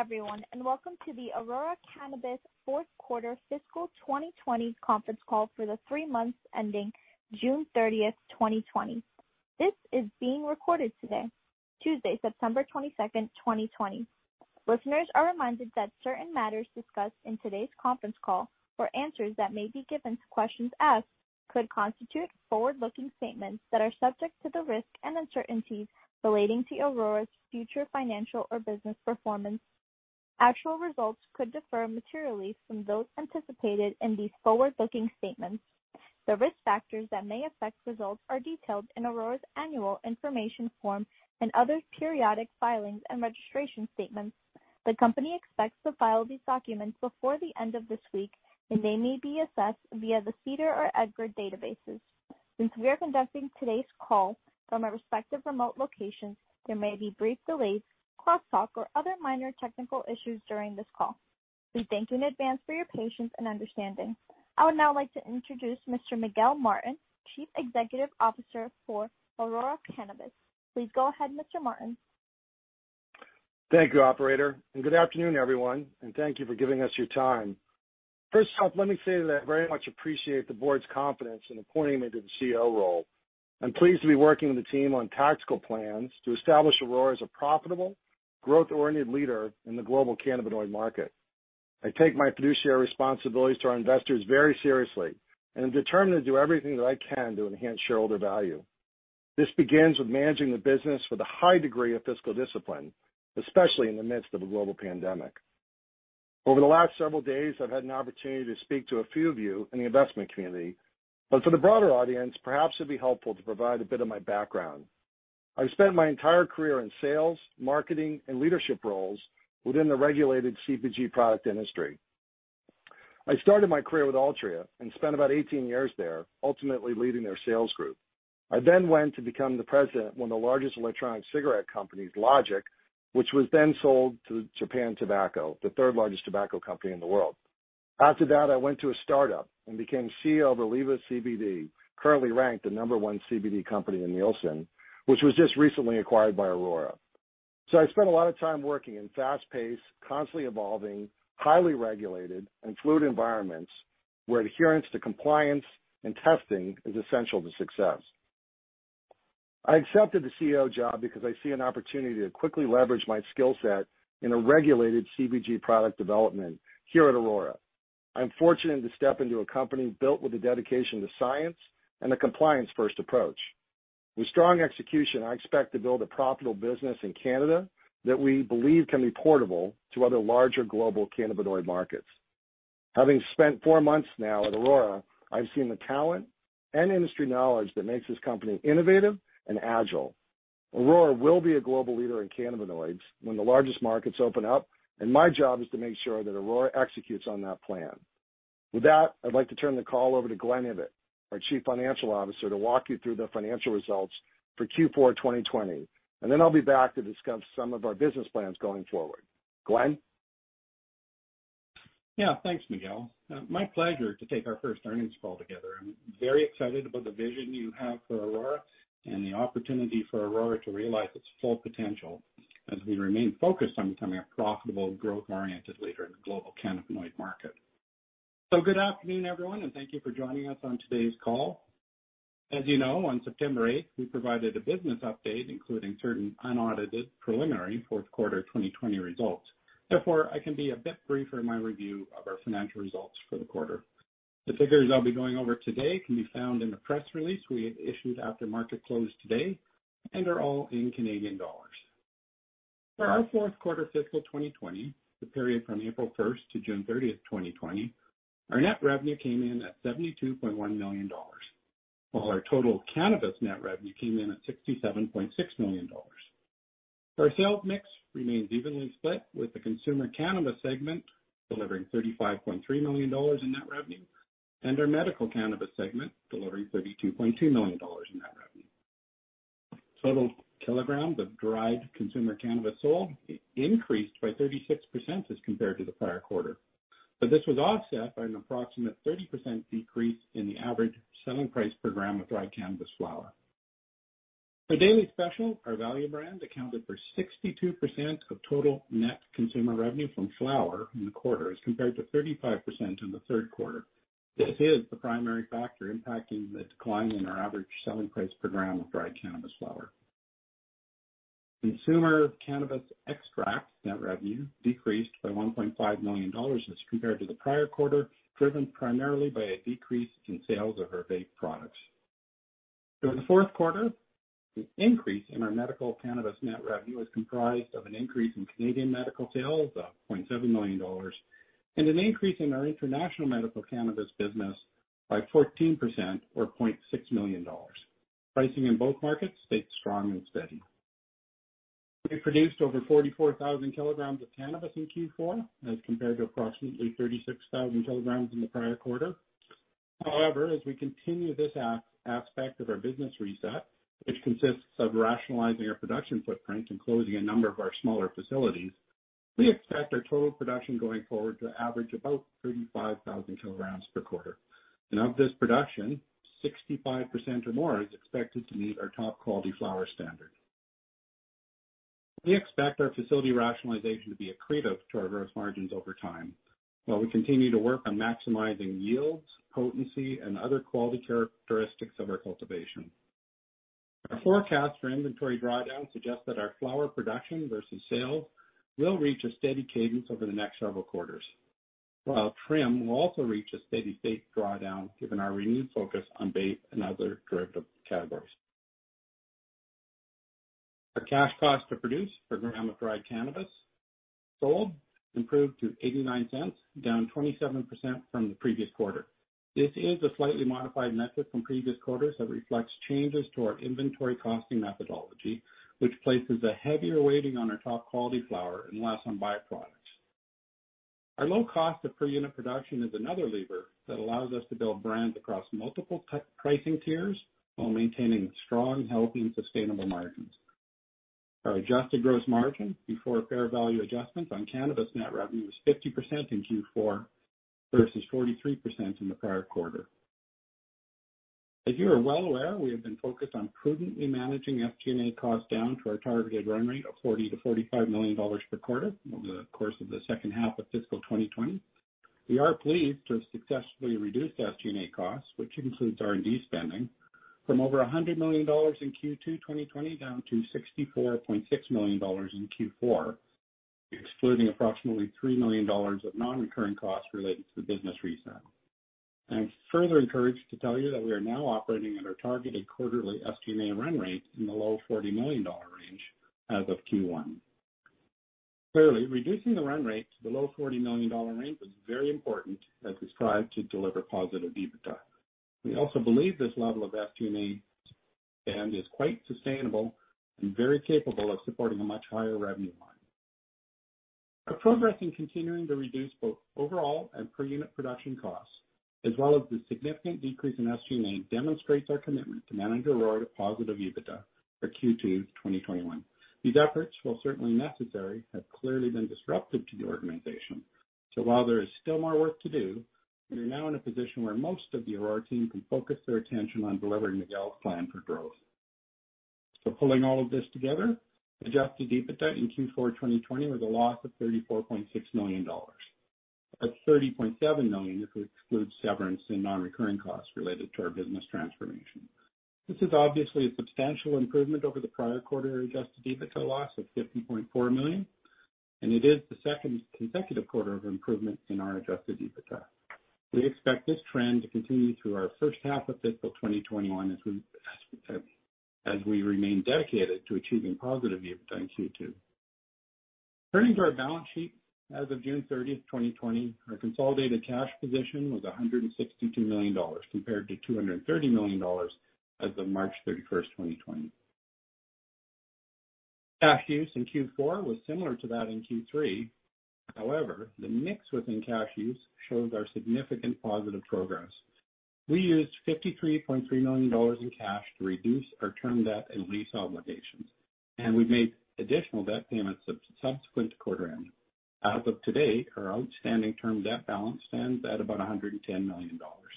Good afternoon, everyone, and welcome to the Aurora Cannabis Fourth Quarter Fiscal 2020 Conference Call for the three months ending June 30th, 2020. This is being recorded today, Tuesday, September 22nd, 2020. Listeners are reminded that certain matters discussed in today's conference call or answers that may be given to questions asked could constitute forward-looking statements that are subject to the risk and uncertainties relating to Aurora's future financial or business performance. Actual results could differ materially from those anticipated in these forward-looking statements. The risk factors that may affect results are detailed in Aurora's annual information form and other periodic filings and registration statements. The company expects to file these documents before the end of this week, and they may be assessed via the SEDAR or EDGAR databases. Since we are conducting today's call from our respective remote locations, there may be brief delays, cross-talk, or other minor technical issues during this call. We thank you in advance for your patience and understanding. I would now like to introduce Mr. Miguel Martin, Chief Executive Officer for Aurora Cannabis. Please go ahead, Mr. Martin. Thank you, Operator. And good afternoon, everyone, and thank you for giving us your time. First off, let me say that I very much appreciate the board's confidence in appointing me to the CEO role. I'm pleased to be working with the team on tactical plans to establish Aurora as a profitable, growth-oriented leader in the global cannabinoid market. I take my fiduciary responsibilities to our investors very seriously, and I'm determined to do everything that I can to enhance shareholder value. This begins with managing the business with a high degree of fiscal discipline, especially in the midst of a global pandemic. Over the last several days, I've had an opportunity to speak to a few of you in the investment community, but for the broader audience, perhaps it'd be helpful to provide a bit of my background. I've spent my entire career in sales, marketing, and leadership roles within the regulated CPG product industry. I started my career with Altria and spent about 18 years there, ultimately leading their sales group. I then went to become the president of one of the largest electronic cigarette companies, Logic, which was then sold to Japan Tobacco, the third largest tobacco company in the world. After that, I went to a startup and became CEO of Reliva CBD, currently ranked the number one CBD company in Nielsen, which was just recently acquired by Aurora. So I spent a lot of time working in fast-paced, constantly evolving, highly regulated, and fluid environments where adherence to compliance and testing is essential to success. I accepted the CEO job because I see an opportunity to quickly leverage my skill set in a regulated CPG product development here at Aurora. I'm fortunate to step into a company built with a dedication to science and a compliance-first approach. With strong execution, I expect to build a profitable business in Canada that we believe can be portable to other larger global cannabinoid markets. Having spent four months now at Aurora, I've seen the talent and industry knowledge that makes this company innovative and agile. Aurora will be a global leader in cannabinoids when the largest markets open up, and my job is to make sure that Aurora executes on that plan. With that, I'd like to turn the call over to Glen Ibbott, our Chief Financial Officer, to walk you through the financial results for Q4 2020, and then I'll be back to discuss some of our business plans going forward. Glen? Yeah, thanks, Miguel. My pleasure to take our first earnings call together. I'm very excited about the vision you have for Aurora and the opportunity for Aurora to realize its full potential as we remain focused on becoming a profitable, growth-oriented leader in the global cannabinoid market. So good afternoon, everyone, and thank you for joining us on today's call. As you know, on September 8th, we provided a business update including certain unaudited preliminary Fourth Quarter 2020 results. Therefore, I can be a bit brief in my review of our financial results for the quarter. The figures I'll be going over today can be found in the press release we had issued after market close today and are all in Canadian dollars. For our Fourth Quarter Fiscal 2020, the period from April 1st to June 30th, 2020, our net revenue came in at 72.1 million dollars, while our total cannabis net revenue came in at 67.6 million dollars. Our sales mix remains evenly split, with the consumer cannabis segment delivering 35.3 million dollars in net revenue and our medical cannabis segment delivering 32.2 million dollars in net revenue. Total kilograms of dried consumer cannabis sold increased by 36% as compared to the prior quarter, but this was offset by an approximate 30% decrease in the average selling price per gram of dried cannabis flower. For Daily Special, our value brand accounted for 62% of total net consumer revenue from flower in the quarter as compared to 35% in the third quarter. This is the primary factor impacting the decline in our average selling price per gram of dried cannabis flower. Consumer cannabis extract net revenue decreased by 1.5 million dollars as compared to the prior quarter, driven primarily by a decrease in sales of our vape products. For the fourth quarter, the increase in our medical cannabis net revenue was comprised of an increase in Canadian medical sales of 0.7 million dollars and an increase in our international medical cannabis business by 14%, or 0.6 million dollars. Pricing in both markets stayed strong and steady. We produced over 44,000 kilograms of cannabis in Q4 as compared to approximately 36,000 kilograms in the prior quarter. However, as we continue this aspect of our business reset, which consists of rationalizing our production footprint and closing a number of our smaller facilities, we expect our total production going forward to average about 35,000 kilograms per quarter, and of this production, 65% or more is expected to meet our top quality flower standard. We expect our facility rationalization to be accretive to our gross margins over time while we continue to work on maximizing yields, potency, and other quality characteristics of our cultivation. Our forecast for inventory drawdown suggests that our flower production versus sales will reach a steady cadence over the next several quarters, while trim will also reach a steady state drawdown given our renewed focus on vape and other derivative categories. Our cash cost to produce per gram of dried cannabis sold improved to 0.89, down 27% from the previous quarter. This is a slightly modified metric from previous quarters that reflects changes to our inventory costing methodology, which places a heavier weighting on our top quality flower and less on byproducts. Our low cost of per unit production is another lever that allows us to build brands across multiple pricing tiers while maintaining strong, healthy, and sustainable margins. Our adjusted gross margin before fair value adjustments on cannabis net revenue was 50% in Q4 versus 43% in the prior quarter. As you are well aware, we have been focused on prudently managing SG&A costs down to our targeted run rate of 40 million-45 million dollars per quarter over the course of the second half of Fiscal 2020. We are pleased to have successfully reduced SG&A costs, which includes R&D spending, from over 100 million dollars in Q2 2020 down to 64.6 million dollars in Q4, excluding approximately 3 million dollars of non-recurring costs related to the business reset. I'm further encouraged to tell you that we are now operating at our targeted quarterly SG&A run rate in the low 40 million dollar range as of Q1. Clearly, reducing the run rate to the low 40 million dollar range was very important as we strive to deliver positive EBITDA. We also believe this level of SG&A spend is quite sustainable and very capable of supporting a much higher revenue line. Our progress in continuing to reduce both overall and per unit production costs, as well as the significant decrease in SG&A, demonstrates our commitment to manage Aurora to positive EBITDA for Q2 2021. These efforts, while certainly necessary, have clearly been disruptive to the organization. So while there is still more work to do, we are now in a position where most of the Aurora team can focus their attention on delivering Miguel's plan for growth. So pulling all of this together, adjusted EBITDA in Q4 2020 was a loss of 34.6 million dollars, that's 30.7 million if we exclude severance and non-recurring costs related to our business transformation. This is obviously a substantial improvement over the prior quarter adjusted EBITDA loss of 50.4 million, and it is the second consecutive quarter of improvement in our adjusted EBITDA. We expect this trend to continue through our first half of Fiscal 2021 as we remain dedicated to achieving positive EBITDA in Q2. Turning to our balance sheet, as of June 30th, 2020, our consolidated cash position was 162 million dollars compared to 230 million dollars as of March 31st, 2020. Cash use in Q4 was similar to that in Q3. However, the mix within cash use shows our significant positive progress. We used 53.3 million dollars in cash to reduce our term debt and lease obligations, and we made additional debt payments subsequent to quarter end. As of today, our outstanding term debt balance stands at about 110 million dollars.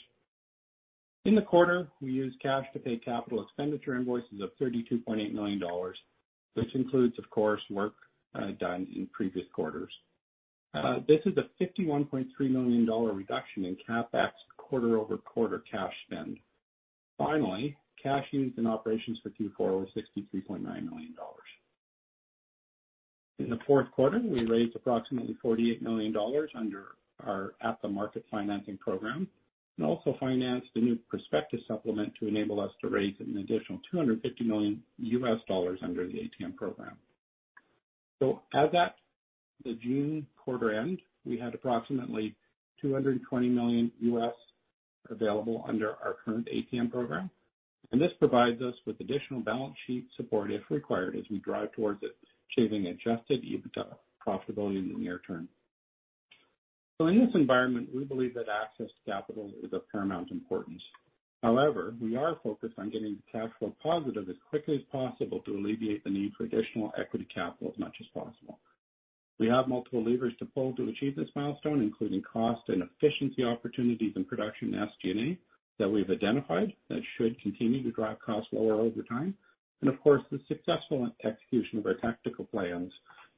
In the quarter, we used cash to pay capital expenditure invoices of 32.8 million dollars, which includes, of course, work done in previous quarters. This is a 51.3 million dollar reduction in CapEx quarter-over-quarter cash spend. Finally, cash used in operations for Q4 was 63.9 million dollars. In the fourth quarter, we raised approximately $48 million under our at-the-market financing program and also filed a new prospectus supplement to enable us to raise an additional $250 million USD under the ATM program. So at that, the June quarter end, we had approximately $220 million USD available under our current ATM program, and this provides us with additional balance sheet support if required as we drive towards achieving adjusted EBITDA profitability in the near term. So in this environment, we believe that access to capital is of paramount importance. However, we are focused on getting the cash flow positive as quickly as possible to alleviate the need for additional equity capital as much as possible. We have multiple levers to pull to achieve this milestone, including cost and efficiency opportunities in production and SG&A that we've identified that should continue to drive costs lower over time, and of course, the successful execution of our tactical plans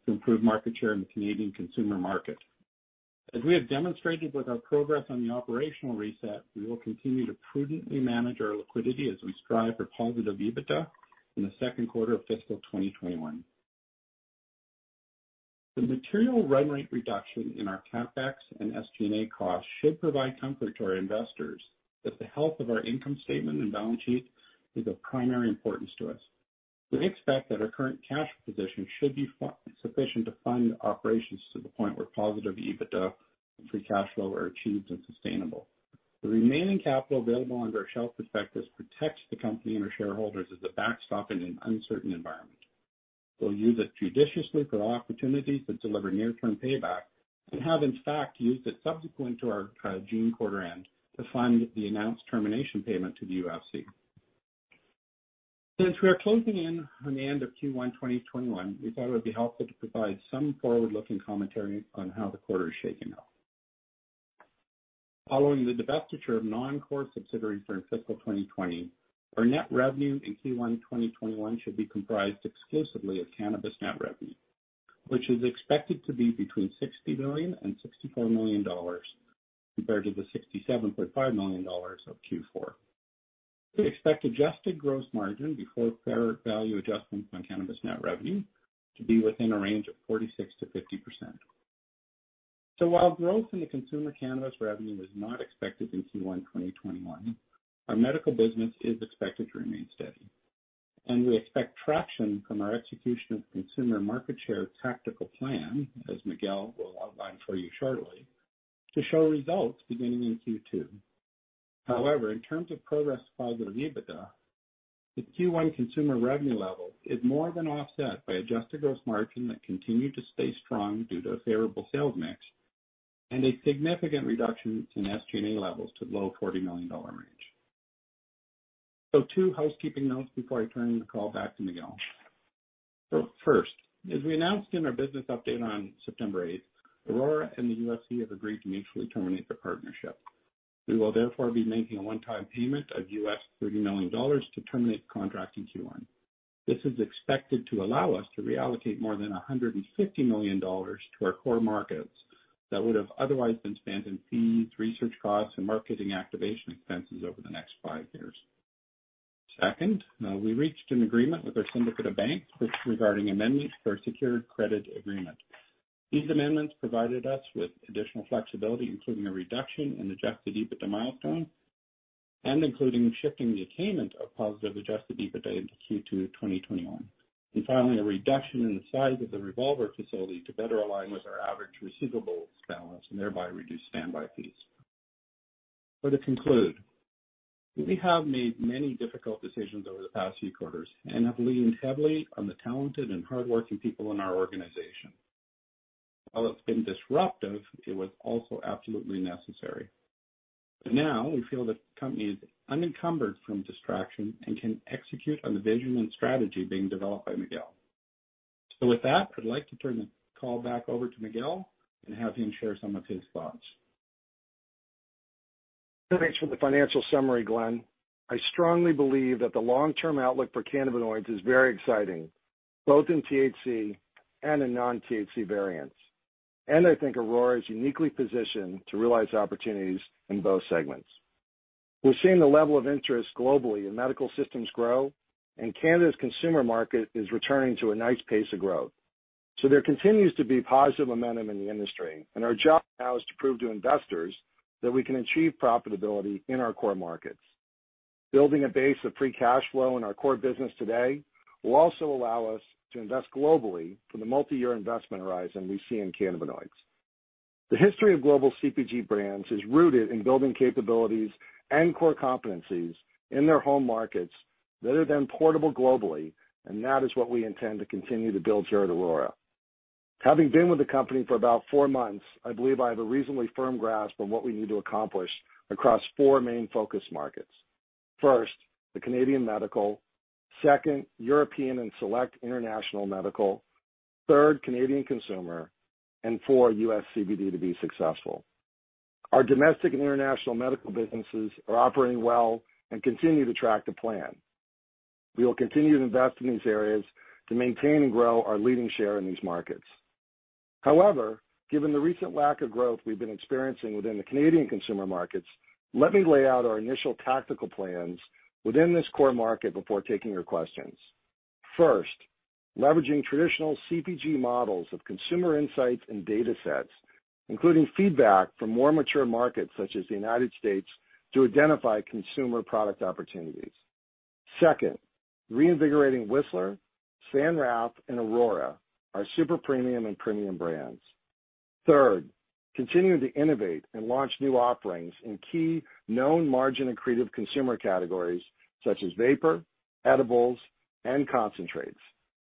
to improve market share in the Canadian consumer market. As we have demonstrated with our progress on the operational reset, we will continue to prudently manage our liquidity as we strive for positive EBITDA in the second quarter of Fiscal 2021. The material run rate reduction in our CapEx and SG&A costs should provide comfort to our investors that the health of our income statement and balance sheet is of primary importance to us. We expect that our current cash position should be sufficient to fund operations to the point where positive EBITDA and free cash flow are achieved and sustainable. The remaining capital available under our shelf prospectus protects the company and our shareholders as a backstop in an uncertain environment. We'll use it judiciously for opportunities that deliver near-term payback and have, in fact, used it subsequent to our June quarter end to fund the announced termination payment to the UFC. Since we are closing in on the end of Q1 2021, we thought it would be helpful to provide some forward-looking commentary on how the quarter is shaking up. Following the divestiture of non-core subsidiaries during Fiscal 2020, our net revenue in Q1 2021 should be comprised exclusively of cannabis net revenue, which is expected to be between 60 million and 64 million dollars compared to the 67.5 million dollars of Q4. We expect adjusted gross margin before fair value adjustments on cannabis net revenue to be within a range of 46%-50%. So while growth in the consumer cannabis revenue is not expected in Q1 2021, our medical business is expected to remain steady, and we expect traction from our execution of consumer market share tactical plan, as Miguel will outline for you shortly, to show results beginning in Q2. However, in terms of progress to positive EBITDA, the Q1 consumer revenue level is more than offset by adjusted gross margin that continued to stay strong due to a favorable sales mix and a significant reduction in SG&A levels to the low 40 million dollar range. So two housekeeping notes before I turn the call back to Miguel. First, as we announced in our business update on September 8th, Aurora and the UFC have agreed to mutually terminate their partnership. We will therefore be making a one-time payment of $30 million to terminate the contract in Q1. This is expected to allow us to reallocate more than $150 million to our core markets that would have otherwise been spent in fees, research costs, and marketing activation expenses over the next five years. Second, we reached an agreement with our syndicate of banks regarding amendments to our secured credit agreement. These amendments provided us with additional flexibility, including a reduction in adjusted EBITDA milestone and including shifting the attainment of positive adjusted EBITDA into Q2 2021, and finally, a reduction in the size of the revolver facility to better align with our average receivables balance and thereby reduce standby fees. So to conclude, we have made many difficult decisions over the past few quarters and have leaned heavily on the talented and hardworking people in our organization. While it's been disruptive, it was also absolutely necessary. But now we feel that the company is unencumbered from distraction and can execute on the vision and strategy being developed by Miguel. So with that, I'd like to turn the call back over to Miguel and have him share some of his thoughts. Thanks for the financial summary, Glen. I strongly believe that the long-term outlook for cannabinoids is very exciting, both in THC and in non-THC variants, and I think Aurora is uniquely positioned to realize opportunities in both segments. We're seeing the level of interest globally in medical systems grow, and Canada's consumer market is returning to a nice pace of growth. So there continues to be positive momentum in the industry, and our job now is to prove to investors that we can achieve profitability in our core markets. Building a base of free cash flow in our core business today will also allow us to invest globally for the multi-year investment horizon we see in cannabinoids. The history of global CPG brands is rooted in building capabilities and core competencies in their home markets that are then portable globally, and that is what we intend to continue to build here at Aurora. Having been with the company for about four months, I believe I have a reasonably firm grasp on what we need to accomplish across four main focus markets. First, the Canadian medical, second, European and select international medical, third, Canadian consumer, and four, US CBD to be successful. Our domestic and international medical businesses are operating well and continue to track the plan. We will continue to invest in these areas to maintain and grow our leading share in these markets. However, given the recent lack of growth we've been experiencing within the Canadian consumer markets, let me lay out our initial tactical plans within this core market before taking your questions. First, leveraging traditional CPG models of consumer insights and data sets, including feedback from more mature markets such as the United States, to identify consumer product opportunities. Second, reinvigorating Whistler, San Raf, and Aurora, our super premium and premium brands. Third, continuing to innovate and launch new offerings in key known margin and creative consumer categories such as vapor, edibles, and concentrates.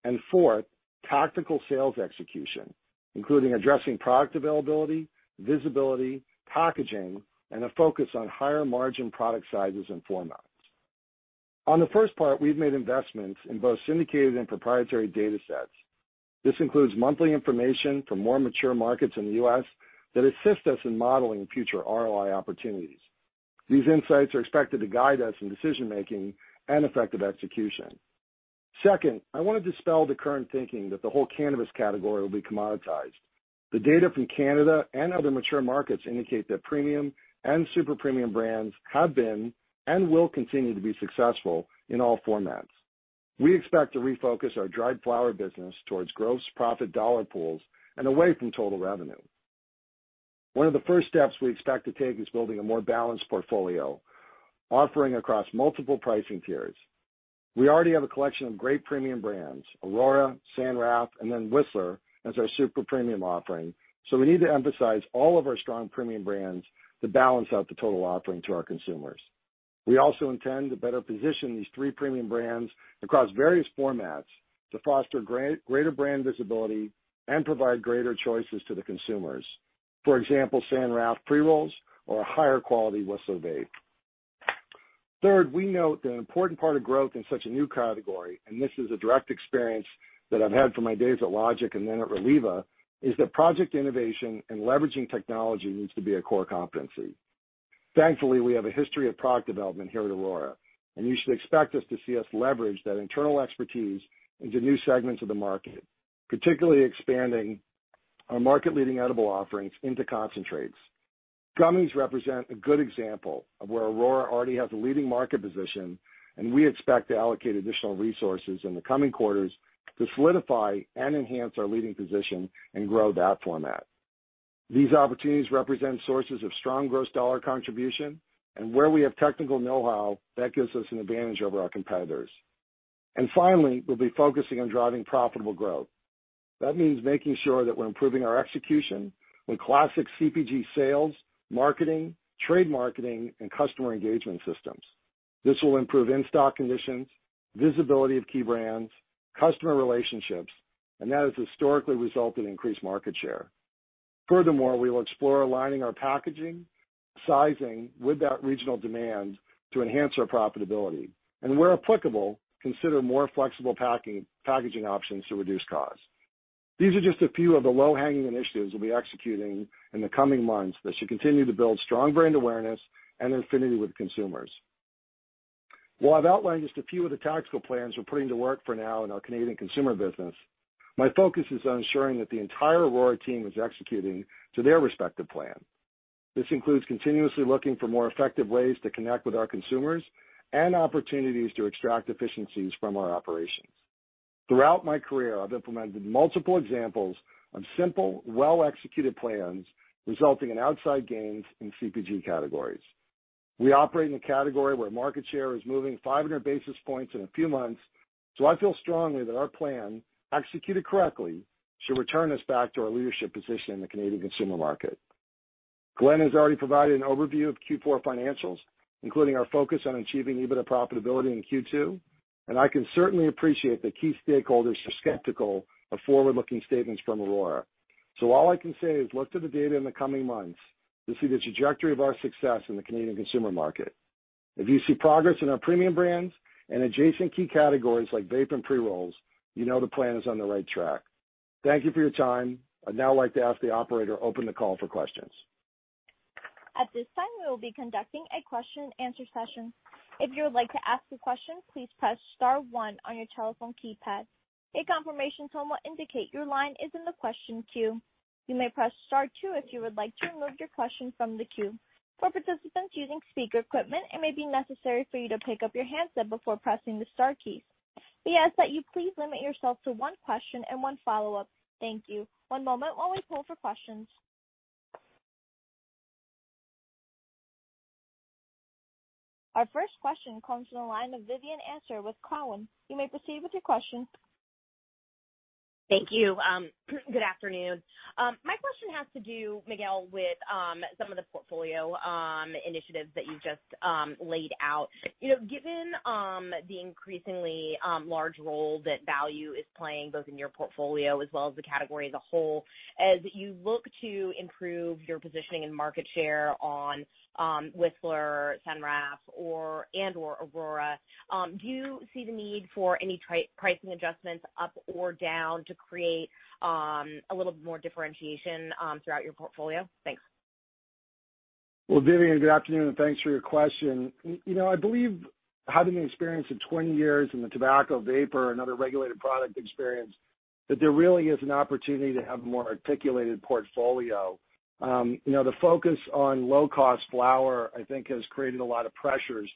And fourth, tactical sales execution, including addressing product availability, visibility, packaging, and a focus on higher margin product sizes and formats. On the first part, we've made investments in both syndicated and proprietary data sets. This includes monthly information from more mature markets in the US that assist us in modeling future ROI opportunities. These insights are expected to guide us in decision-making and effective execution. Second, I want to dispel the current thinking that the whole cannabis category will be commoditized. The data from Canada and other mature markets indicate that premium and super premium brands have been and will continue to be successful in all formats. We expect to refocus our dried flower business towards gross profit dollar pools and away from total revenue. One of the first steps we expect to take is building a more balanced portfolio, offering across multiple pricing tiers. We already have a collection of great premium brands, Aurora, San Raf, and then Whistler as our super premium offering, so we need to emphasize all of our strong premium brands to balance out the total offering to our consumers. We also intend to better position these three premium brands across various formats to foster greater brand visibility and provide greater choices to the consumers. For example, San Raf pre-rolls or a higher quality Whistler vape. Third, we note that an important part of growth in such a new category, and this is a direct experience that I've had from my days at Logic and then at Reliva, is that project innovation and leveraging technology needs to be a core competency. Thankfully, we have a history of product development here at Aurora, and you should expect to see us leverage that internal expertise into new segments of the market, particularly expanding our market-leading edible offerings into concentrates. Gummies represent a good example of where Aurora already has a leading market position, and we expect to allocate additional resources in the coming quarters to solidify and enhance our leading position and grow that format. These opportunities represent sources of strong gross dollar contribution, and where we have technical know-how, that gives us an advantage over our competitors. And finally, we'll be focusing on driving profitable growth. That means making sure that we're improving our execution with classic CPG sales, marketing, trade marketing, and customer engagement systems. This will improve in-stock conditions, visibility of key brands, customer relationships, and that has historically resulted in increased market share. Furthermore, we will explore aligning our packaging sizing with that regional demand to enhance our profitability, and where applicable, consider more flexible packaging options to reduce costs. These are just a few of the low-hanging initiatives we'll be executing in the coming months that should continue to build strong brand awareness and affinity with consumers. While I've outlined just a few of the tactical plans we're putting to work for now in our Canadian consumer business, my focus is on ensuring that the entire Aurora team is executing to their respective plan. This includes continuously looking for more effective ways to connect with our consumers and opportunities to extract efficiencies from our operations. Throughout my career, I've implemented multiple examples of simple, well-executed plans resulting in outside gains in CPG categories. We operate in a category where market share is moving 500 basis points in a few months, so I feel strongly that our plan, executed correctly, should return us back to our leadership position in the Canadian consumer market. Glen has already provided an overview of Q4 financials, including our focus on achieving EBITDA profitability in Q2, and I can certainly appreciate that key stakeholders are skeptical of forward-looking statements from Aurora. So all I can say is look to the data in the coming months to see the trajectory of our success in the Canadian consumer market. If you see progress in our premium brands and adjacent key categories like vape and pre-rolls, you know the plan is on the right track. Thank you for your time. I'd now like to ask the operator to open the call for questions. At this time, we will be conducting a question-and-answer session. If you would like to ask a question, please press star one on your telephone keypad. A confirmation tone will indicate your line is in the question queue. You may press star two if you would like to remove your question from the queue. For participants using speaker equipment, it may be necessary for you to pick up your handset before pressing the Star keys. We ask that you please limit yourself to one question and one follow-up. Thank you. One moment while we pull for questions. Our first question comes from the line of Vivian Azer with Cowen. You may proceed with your question. Thank you. Good afternoon. My question has to do, Miguel, with some of the portfolio initiatives that you've just laid out. Given the increasingly large role that value is playing both in your portfolio as well as the category as a whole, as you look to improve your positioning and market share on Whistler, San Raf, and/or Aurora, do you see the need for any pricing adjustments up or down to create a little bit more differentiation throughout your portfolio? Thanks. Vivian, good afternoon, and thanks for your question. I believe, having the experience of 20 years in the tobacco, vapor, and other regulated product experience, that there really is an opportunity to have a more articulated portfolio. The focus on low-cost flower, I think, has created a lot of pressures.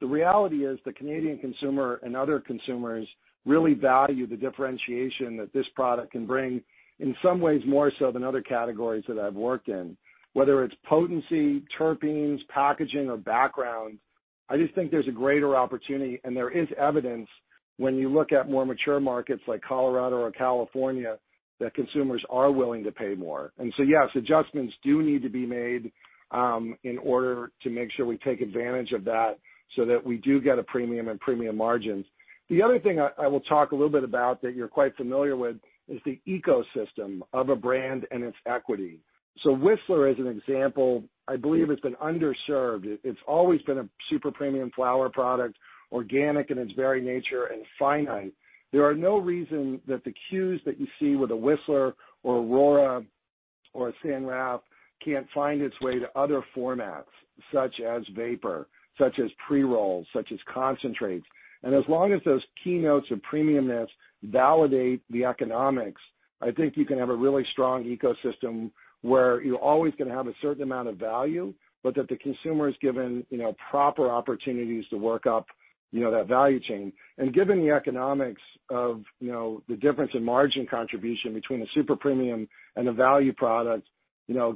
The reality is the Canadian consumer and other consumers really value the differentiation that this product can bring, in some ways more so than other categories that I've worked in. Whether it's potency, terpenes, packaging, or background, I just think there's a greater opportunity, and there is evidence when you look at more mature markets like Colorado or California that consumers are willing to pay more. So, yes, adjustments do need to be made in order to make sure we take advantage of that so that we do get a premium and premium margins. The other thing I will talk a little bit about that you're quite familiar with is the ecosystem of a brand and its equity. So Whistler, as an example, I believe it's been underserved. It's always been a super premium flower product, organic in its very nature and finite. There are no reason that the cues that you see with a Whistler or Aurora or a San Raf can't find its way to other formats, such as vape, such as pre-rolls, such as concentrates. And as long as those key notes and premiumness validate the economics, I think you can have a really strong ecosystem where you're always going to have a certain amount of value, but that the consumer is given proper opportunities to work up that value chain. And given the economics of the difference in margin contribution between a super premium and a value product,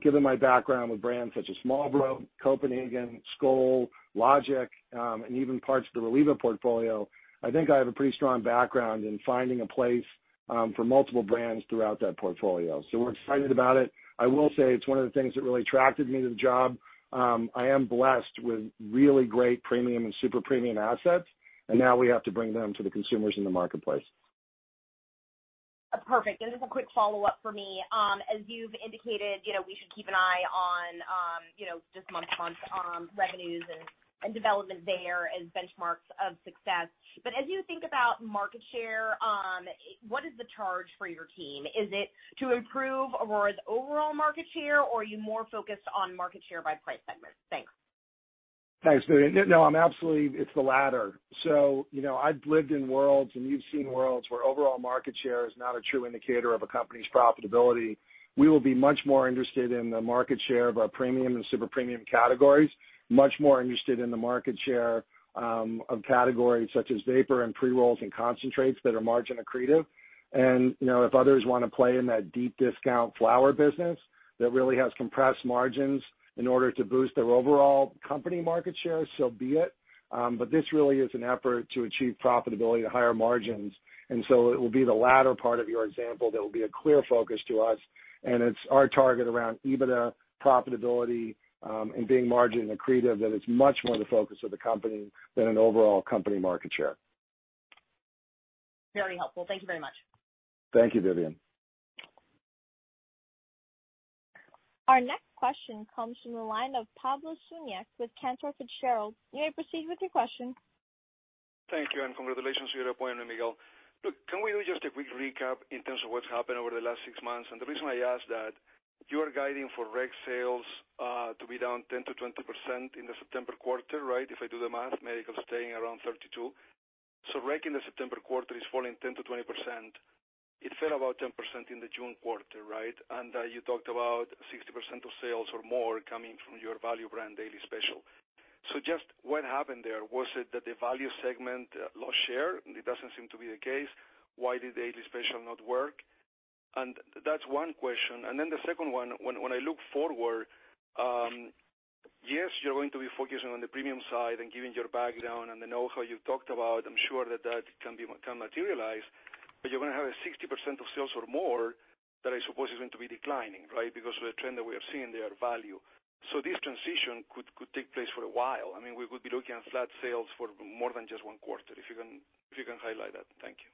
given my background with brands such as Marlboro, Copenhagen, Skoal, Logic, and even parts of the Reliva portfolio, I think I have a pretty strong background in finding a place for multiple brands throughout that portfolio. So we're excited about it. I will say it's one of the things that really attracted me to the job. I am blessed with really great premium and super premium assets, and now we have to bring them to the consumers in the marketplace. Perfect. And just a quick follow-up for me. As you've indicated, we should keep an eye on just month-to-month revenues and development there as benchmarks of success. But as you think about market share, what is the charge for your team? Is it to improve Aurora's overall market share, or are you more focused on market share by price segment? Thanks. Thanks, Vivian. No, I'm absolutely it's the latter. So I've lived in worlds, and you've seen worlds where overall market share is not a true indicator of a company's profitability. We will be much more interested in the market share of our premium and super premium categories, much more interested in the market share of categories such as vapor and pre-rolls and concentrates that are margin accretive. And if others want to play in that deep discount flower business that really has compressed margins in order to boost their overall company market share, so be it. But this really is an effort to achieve profitability at higher margins. And so it will be the latter part of your example that will be a clear focus to us. It's our target around EBITDA, profitability, and being margin accretive that is much more the focus of the company than an overall company market share. Very helpful. Thank you very much. Thank you, Vivian. Our next question comes from the line of Pablo Zuanic with Cantor Fitzgerald. You may proceed with your question. Thank you, and congratulations to your appointment, Miguel. Look, can we do just a quick recap in terms of what's happened over the last six months? And the reason I ask that, you are guiding for rec sales to be down 10%-20% in the September quarter, right? If I do the math, medical staying around 32%. So rec in the September quarter is falling 10%-20%. It fell about 10% in the June quarter, right? And you talked about 60% of sales or more coming from your value brand Daily Special. So just what happened there? Was it that the value segment lost share? It doesn't seem to be the case. Why did Daily Special not work? And that's one question. And then the second one, when I look forward, yes, you're going to be focusing on the premium side and giving your background and the know-how you've talked about. I'm sure that that can materialize. But you're going to have a 60% of sales or more that I suppose is going to be declining, right? Because of the trend that we are seeing there of value. So this transition could take place for a while. I mean, we could be looking at flat sales for more than just one quarter, if you can highlight that. Thank you.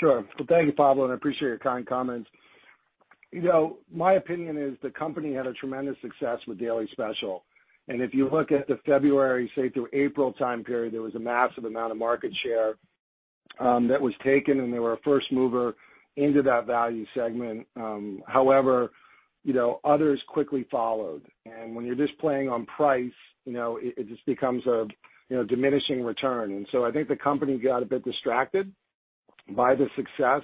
Sure. Well, thank you, Pablo, and I appreciate your kind comments. My opinion is the company had a tremendous success with Daily Special. And if you look at the February, say, through April time period, there was a massive amount of market share that was taken, and they were a first mover into that value segment. However, others quickly followed. And when you're just playing on price, it just becomes a diminishing return. And so I think the company got a bit distracted by the success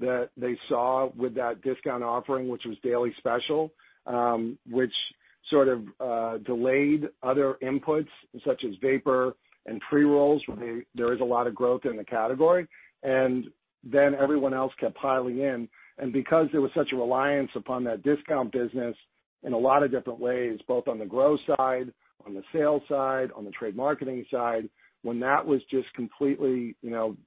that they saw with that discount offering, which was Daily Special, which sort of delayed other inputs such as vapor and pre-rolls, where there is a lot of growth in the category. And then everyone else kept piling in. and because there was such a reliance upon that discount business in a lot of different ways, both on the growth side, on the sales side, on the trade marketing side, when that was just completely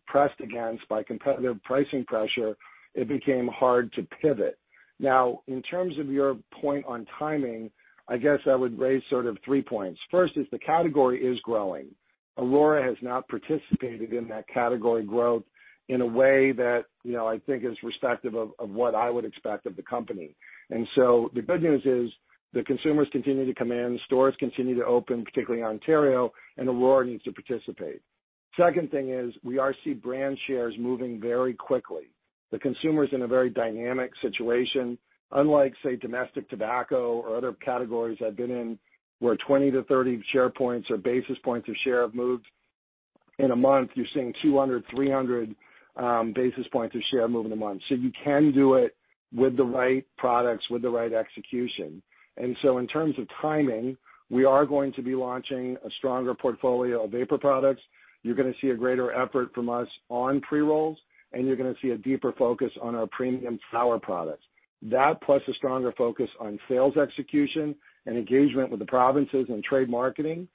pressed against by competitive pricing pressure, it became hard to pivot. Now, in terms of your point on timing, I guess I would raise sort of three points. First is the category is growing. Aurora has not participated in that category growth in a way that I think is respective of what I would expect of the company. And so the good news is the consumers continue to come in, stores continue to open, particularly in Ontario, and Aurora needs to participate. Second thing is we are seeing brand shares moving very quickly. The consumer is in a very dynamic situation. Unlike, say, domestic tobacco or other categories I've been in, where 20 share points-30 share points or basis points of share have moved in a month, you're seeing 200 basis points-300 basis points of share move in a month. So you can do it with the right products, with the right execution. And so in terms of timing, we are going to be launching a stronger portfolio of vapor products. You're going to see a greater effort from us on pre-rolls, and you're going to see a deeper focus on our premium flower products. That, plus a stronger focus on sales execution and engagement with the provinces and trade marketing,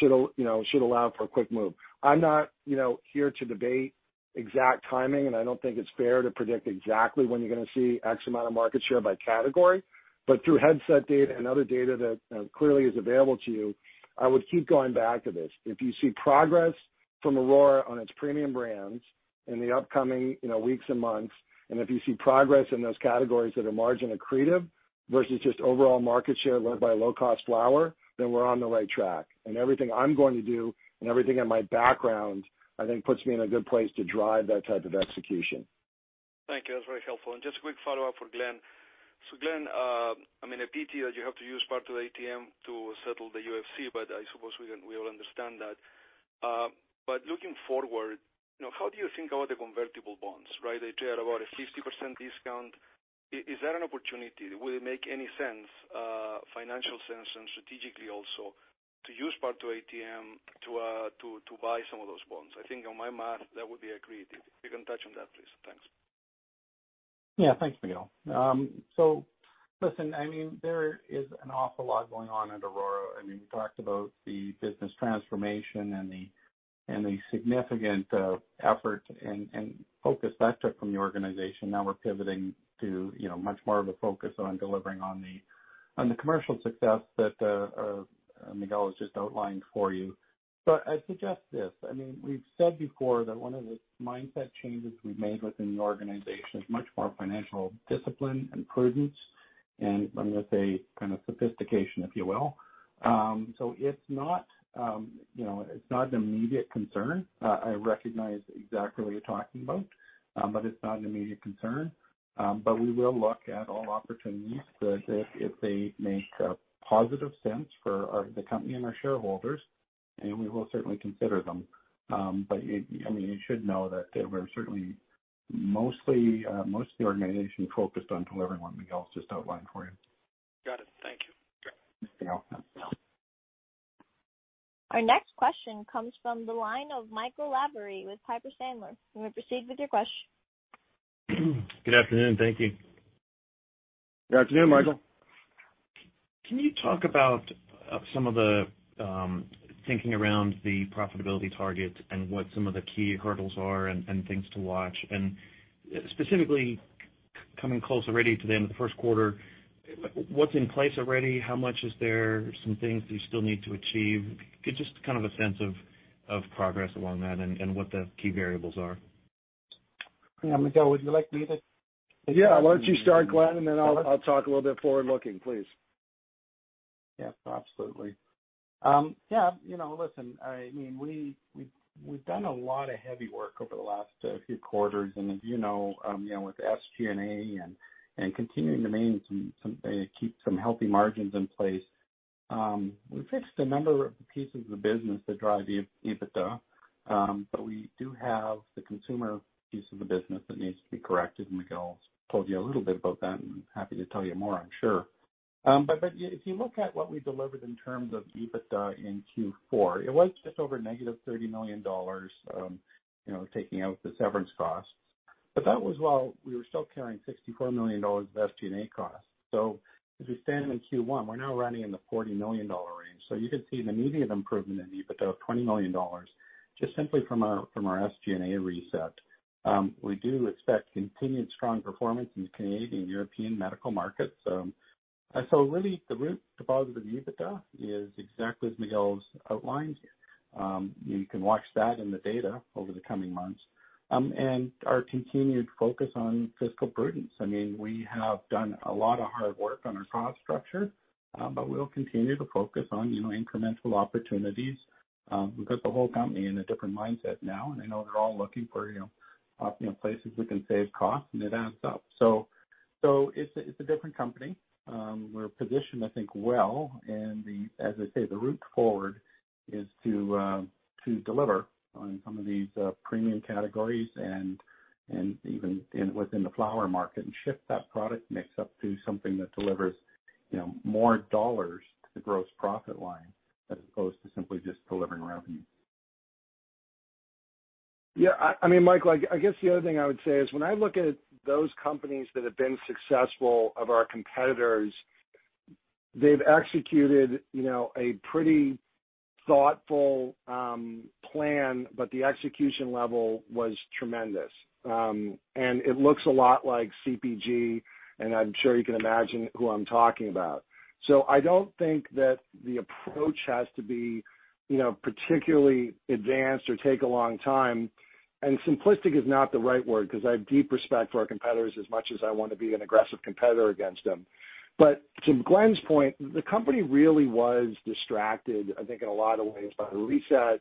should allow for a quick move. I'm not here to debate exact timing, and I don't think it's fair to predict exactly when you're going to see X amount of market share by category. But through Headset data and other data that clearly is available to you, I would keep going back to this. If you see progress from Aurora on its premium brands in the upcoming weeks and months, and if you see progress in those categories that are margin accretive versus just overall market share led by low-cost flower, then we're on the right track. And everything I'm going to do and everything in my background, I think, puts me in a good place to drive that type of execution. Thank you. That's very helpful. And just a quick follow-up for Glen. So Glen, I mean, an apt that you have to use part of the ATM to settle the UFC, but I suppose we all understand that. But looking forward, how do you think about the convertible bonds, right? They're at about a 50% discount. Is that an opportunity? Would it make any sense, financial sense and strategically also, to use part of ATM to buy some of those bonds? I think on my math, that would be accretive. If you can touch on that, please. Thanks. Yeah. Thanks, Miguel. So listen, I mean, there is an awful lot going on at Aurora. I mean, we talked about the business transformation and the significant effort and focus that took from the organization. Now we're pivoting to much more of a focus on delivering on the commercial success that Miguel has just outlined for you. But I suggest this. I mean, we've said before that one of the mindset changes we've made within the organization is much more financial discipline and prudence, and I'm going to say kind of sophistication, if you will. So it's not an immediate concern. I recognize exactly what you're talking about, but it's not an immediate concern. But we will look at all opportunities that, if they make positive sense for the company and our shareholders, and we will certainly consider them. But I mean, you should know that we're certainly mostly the organization focused on delivering what Miguel's just outlined for you. Got it. Thank you. Our next question comes from the line of Michael Lavery with Piper Sandler. You may proceed with your question. Good afternoon. Thank you. Good afternoon, Michael. Can you talk about some of the thinking around the profitability targets and what some of the key hurdles are and things to watch? And specifically, coming close already to the end of the first quarter, what's in place already? How much is there? Some things that you still need to achieve? Just kind of a sense of progress along that and what the key variables are. Yeah. Miguel, would you like me to? Yeah. Why don't you start, Glen, and then I'll talk a little bit forward-looking, please. Yeah. Absolutely. Yeah. Listen, I mean, we've done a lot of heavy work over the last few quarters. And as you know, with SG&A and continuing to maintain some healthy margins in place, we fixed a number of pieces of the business that drive EBITDA. But we do have the consumer piece of the business that needs to be corrected. And Miguel's told you a little bit about that, and I'm happy to tell you more, I'm sure. But if you look at what we delivered in terms of EBITDA in Q4, it was just over negative 30 million dollars taking out the severance costs. But that was while we were still carrying 64 million dollars of SG&A costs. As we stand in Q1, we're now running in the 40 million dollar range. You can see an immediate improvement in EBITDA of 20 million dollars just simply from our SG&A reset. We do expect continued strong performance in the Canadian and European medical markets. Really, the root deposit of EBITDA is exactly as Miguel's outlined. You can watch that in the data over the coming months. Our continued focus on fiscal prudence. I mean, we have done a lot of hard work on our cost structure, but we'll continue to focus on incremental opportunities. We've got the whole company in a different mindset now, and I know they're all looking for places we can save costs, and it adds up. It's a different company. We're positioned, I think, well. As I say, the route forward is to deliver on some of these premium categories and even within the flower market and shift that product mix up to something that delivers more dollars to the gross profit line as opposed to simply just delivering revenue. Yeah. I mean, Michael, I guess the other thing I would say is when I look at those companies that have been successful of our competitors, they've executed a pretty thoughtful plan, but the execution level was tremendous, and it looks a lot like CPG, and I'm sure you can imagine who I'm talking about. So I don't think that the approach has to be particularly advanced or take a long time, and simplistic is not the right word because I have deep respect for our competitors as much as I want to be an aggressive competitor against them. But to Glen's point, the company really was distracted, I think, in a lot of ways by the reset,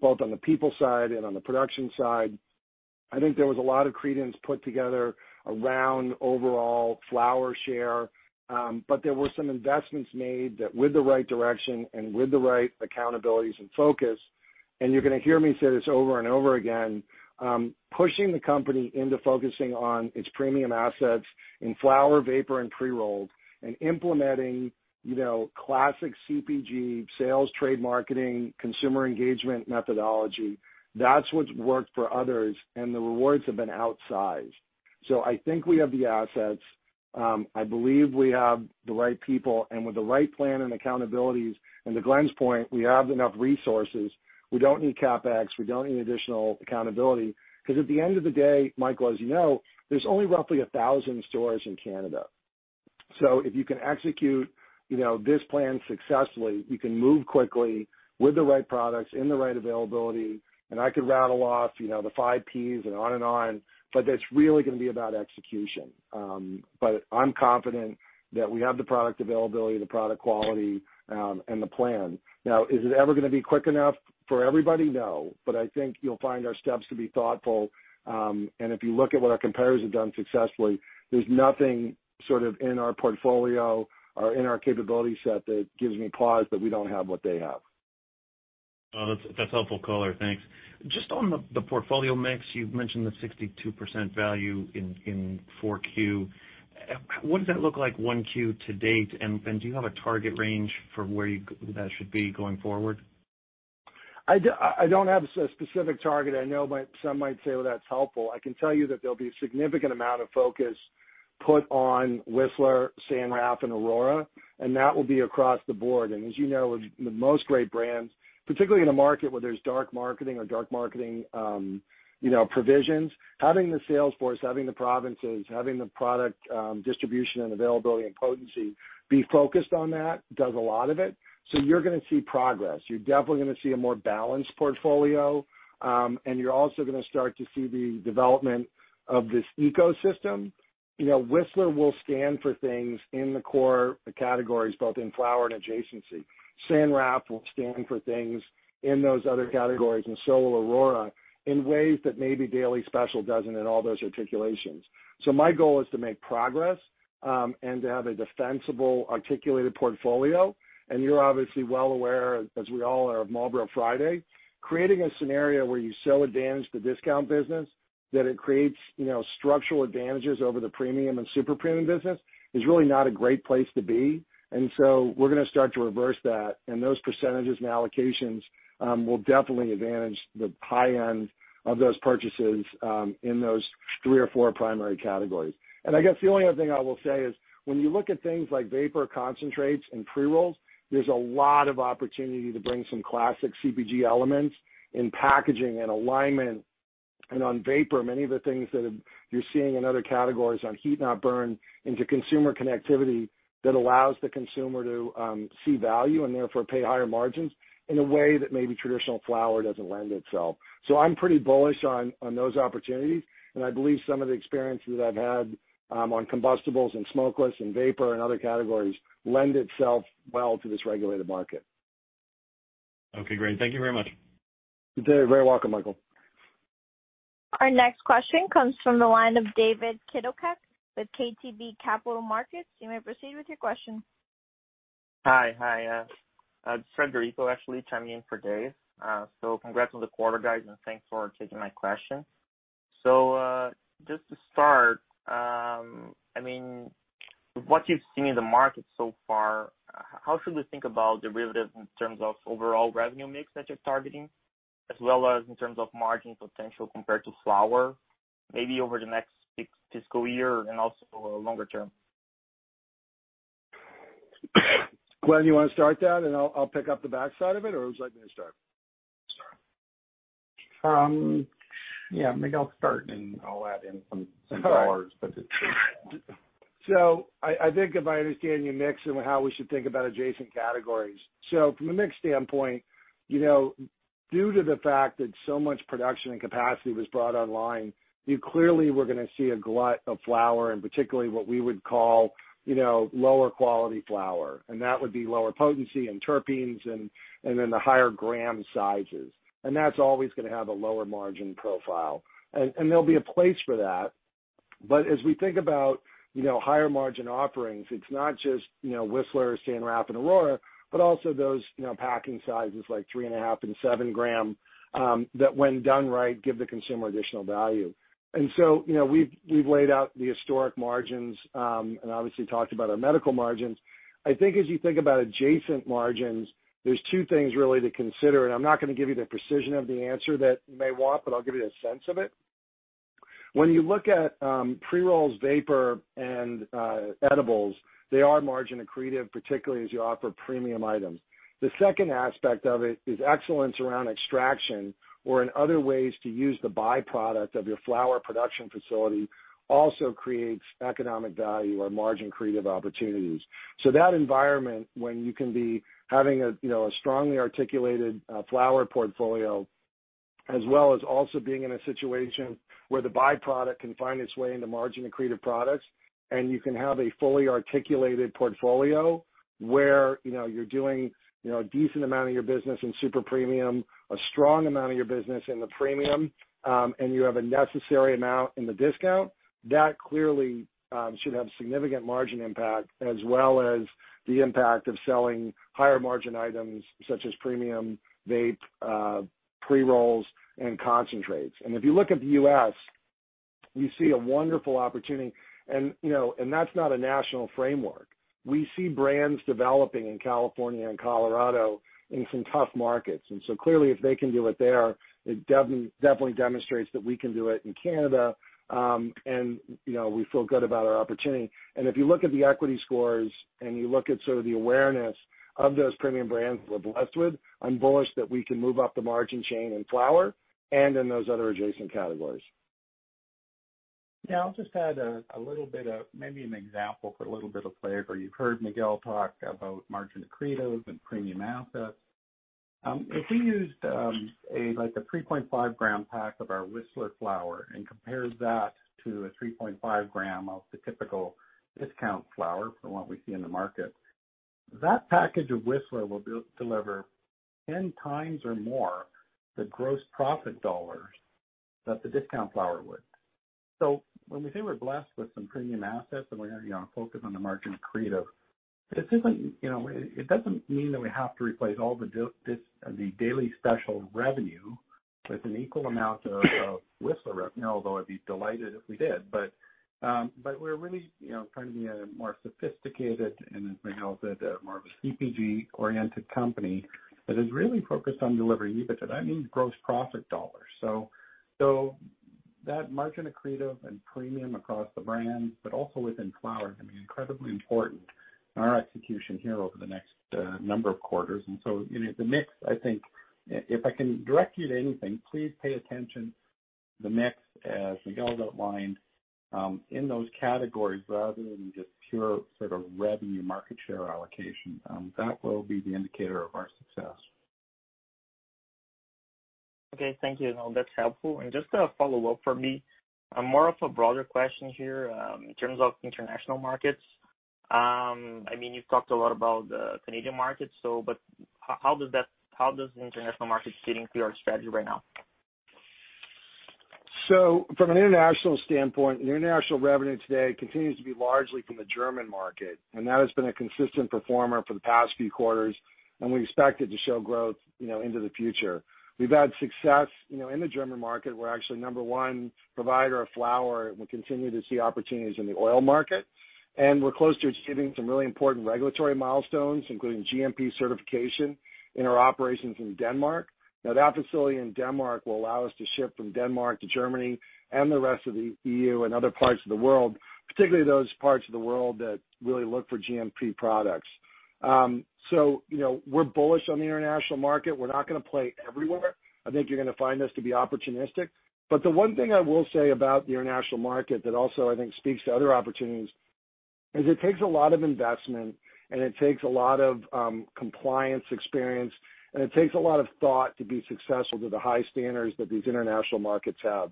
both on the people side and on the production side. I think there was a lot of credence put together around overall flower share. But there were some investments made that, with the right direction and with the right accountabilities and focus, and you're going to hear me say this over and over again, pushing the company into focusing on its premium assets in flower, vapor, and pre-rolled and implementing classic CPG sales, trade marketing, consumer engagement methodology. That's what's worked for others, and the rewards have been outsized. So I think we have the assets. I believe we have the right people, and with the right plan and accountabilities. And to Glen's point, we have enough resources. We don't need CapEx. We don't need additional accountability. Because at the end of the day, Michael, as you know, there's only roughly 1,000 stores in Canada. So if you can execute this plan successfully, you can move quickly with the right products in the right availability. And I could rattle off the five P's and on and on, but that's really going to be about execution. But I'm confident that we have the product availability, the product quality, and the plan. Now, is it ever going to be quick enough for everybody? No. But I think you'll find our steps to be thoughtful. And if you look at what our competitors have done successfully, there's nothing sort of in our portfolio or in our capability set that gives me pause that we don't have what they have. That's helpful color. Thanks. Just on the portfolio mix, you've mentioned the 62% value in Q4. What does that look like in 1Q to date? And do you have a target range for where that should be going forward? I don't have a specific target. I know some might say, "Well, that's helpful." I can tell you that there'll be a significant amount of focus put on Whistler, San Raf, and Aurora, and that will be across the board, and as you know, the most great brands, particularly in a market where there's dark marketing or dark marketing provisions, having the salesforce, having the provinces, having the product distribution and availability and potency be focused on that does a lot of it, so you're going to see progress. You're definitely going to see a more balanced portfolio, and you're also going to start to see the development of this ecosystem. Whistler will stand for things in the core categories, both in flower and adjacency. San Raf will stand for things in those other categories, and so will Aurora in ways that maybe daily special doesn't in all those articulations. My goal is to make progress and to have a defensible articulated portfolio. You're obviously well aware, as we all are, of Marlboro Friday. Creating a scenario where you so advantage the discount business that it creates structural advantages over the premium and super premium business is really not a great place to be. We're going to start to reverse that. Those percentages and allocations will definitely advantage the high end of those purchases in those three or four primary categories. I guess the only other thing I will say is when you look at things like vapor concentrates and pre-rolls, there's a lot of opportunity to bring some classic CPG elements in packaging and alignment. And on vapor, many of the things that you're seeing in other categories on heat-not-burn into consumer connectivity that allows the consumer to see value and therefore pay higher margins in a way that maybe traditional flower doesn't lend itself, so I'm pretty bullish on those opportunities, and I believe some of the experiences that I've had on combustibles and smokeless and vapor and other categories lend itself well to this regulated market. Okay. Great. Thank you very much. You're very welcome, Michael. Our next question comes from the line of David Kideckel with ATB Capital Markets. You may proceed with your question. Hi. Hi. It's Frederico, actually, chiming in for Dave. So congrats on the quarter, guys, and thanks for taking my question. So just to start, I mean, with what you've seen in the market so far, how should we think about derivatives in terms of overall revenue mix that you're targeting, as well as in terms of margin potential compared to flower, maybe over the next fiscal year and also longer term? Glen, do you want to start that, and I'll pick up the backside of it, or who's likely to start? Yeah. Miguel starts, and I'll add in some dollars, but it's good. I think if I understand your mix and how we should think about adjacent categories. From a mix standpoint, due to the fact that so much production and capacity was brought online, you clearly were going to see a glut of flower and particularly what we would call lower quality flower. And that would be lower potency and terpenes and then the higher gram sizes. And that's always going to have a lower margin profile. And there'll be a place for that. But as we think about higher margin offerings, it's not just Whistler, San Raf, and Aurora, but also those packing sizes like three and a half and seven gram that, when done right, give the consumer additional value. And so we've laid out the historic margins and obviously talked about our medical margins. I think as you think about adjacent margins, there's two things really to consider. And I'm not going to give you the precision of the answer that you may want, but I'll give you a sense of it. When you look at pre-rolls, vapor, and edibles, they are margin accretive, particularly as you offer premium items. The second aspect of it is excellence around extraction or in other ways to use the byproduct of your flower production facility also creates economic value or margin creative opportunities. So that environment, when you can be having a strongly articulated flower portfolio, as well as also being in a situation where the byproduct can find its way into margin accretive products, and you can have a fully articulated portfolio where you're doing a decent amount of your business in super premium, a strong amount of your business in the premium, and you have a necessary amount in the discount, that clearly should have significant margin impact as well as the impact of selling higher margin items such as premium vape, pre-rolls, and concentrates. And if you look at the U.S., you see a wonderful opportunity. And that's not a national framework. We see brands developing in California and Colorado in some tough markets. And so clearly, if they can do it there, it definitely demonstrates that we can do it in Canada, and we feel good about our opportunity. If you look at the equity scores and you look at sort of the awareness of those premium brands with Westwood, I'm bullish that we can move up the margin chain in flower and in those other adjacent categories. Yeah. I'll just add a little bit of maybe an example for a little bit of flavor. You've heard Miguel talk about margin accretive and premium assets. If we used a 3.5 gram pack of our Whistler flower and compared that to a 3.5 gram of the typical discount flower for what we see in the market, that package of Whistler will deliver 10x or more the gross profit dollars that the discount flower would. So when we say we're blessed with some premium assets and we're going to focus on the margin accretive, it doesn't mean that we have to replace all the Daily Special revenue with an equal amount of Whistler revenue, although I'd be delighted if we did. But we're really trying to be a more sophisticated, and as Miguel said, more of a CPG-oriented company that is really focused on delivering EBITDA, that means gross profit dollars. So that margin accretive and premium across the brands, but also within flower, can be incredibly important in our execution here over the next number of quarters. And so the mix, I think, if I can direct you to anything, please pay attention. The mix, as Miguel's outlined, in those categories rather than just pure sort of revenue market share allocation, that will be the indicator of our success. Okay. Thank you. No, that's helpful. And just a follow-up for me, more of a broader question here in terms of international markets. I mean, you've talked a lot about the Canadian market, but how does the international market fit into your strategy right now? From an international standpoint, the international revenue today continues to be largely from the German market, and that has been a consistent performer for the past few quarters, and we expect it to show growth into the future. We've had success in the German market. We're actually number one provider of flower, and we'll continue to see opportunities in the oil market. And we're close to achieving some really important regulatory milestones, including GMP certification in our operations in Denmark. Now, that facility in Denmark will allow us to ship from Denmark to Germany and the rest of the EU and other parts of the world, particularly those parts of the world that really look for GMP products. So we're bullish on the international market. We're not going to play everywhere. I think you're going to find us to be opportunistic. But the one thing I will say about the international market that also, I think, speaks to other opportunities is it takes a lot of investment, and it takes a lot of compliance experience, and it takes a lot of thought to be successful to the high standards that these international markets have.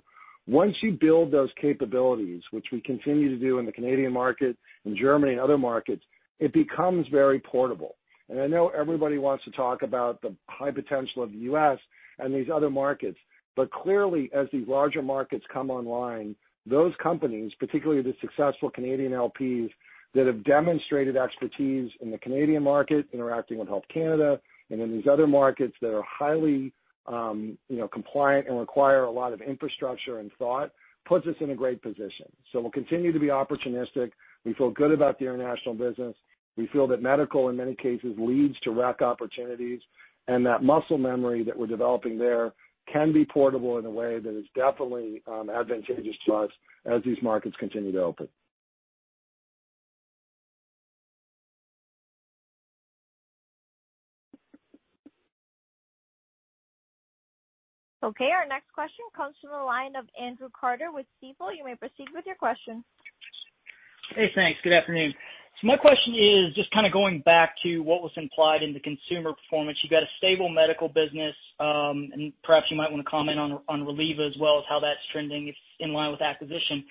Once you build those capabilities, which we continue to do in the Canadian market, in Germany, and other markets, it becomes very portable. And I know everybody wants to talk about the high potential of the U.S. and these other markets. But clearly, as these larger markets come online, those companies, particularly the successful Canadian LPs that have demonstrated expertise in the Canadian market, interacting with Health Canada, and in these other markets that are highly compliant and require a lot of infrastructure and thought, puts us in a great position. So we'll continue to be opportunistic. We feel good about the international business. We feel that medical, in many cases, leads to rec opportunities, and that muscle memory that we're developing there can be portable in a way that is definitely advantageous to us as these markets continue to open. Okay. Our next question comes from the line of Andrew Carter with Stifel. You may proceed with your question. Hey, thanks. Good afternoon. So my question is just kind of going back to what was implied in the consumer performance. You've got a stable medical business, and perhaps you might want to comment on Reliva as well as how that's trending in line with acquisition.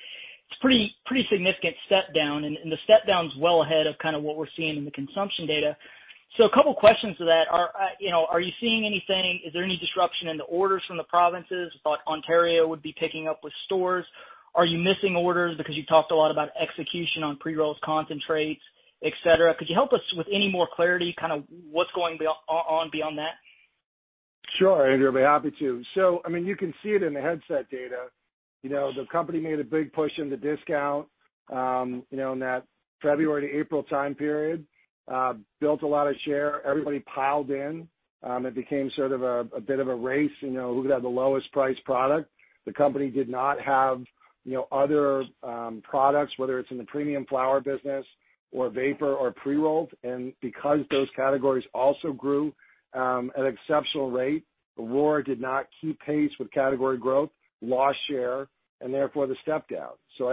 It's a pretty significant step down, and the step down's well ahead of kind of what we're seeing in the consumption data. So a couple of questions to that are, are you seeing anything? Is there any disruption in the orders from the provinces? I thought Ontario would be picking up with stores. Are you missing orders because you talked a lot about execution on pre-rolls, concentrates, etc.? Could you help us with any more clarity, kind of what's going on beyond that? Sure, Andrew. I'd be happy to. So I mean, you can see it in the Headset data. The company made a big push in the discount in that February to April time period, built a lot of share. Everybody piled in. It became sort of a bit of a race who could have the lowest price product. The company did not have other products, whether it's in the premium flower business or vapor or pre-rolled. And because those categories also grew at exceptional rate, Aurora did not keep pace with category growth, lost share, and therefore the step down. So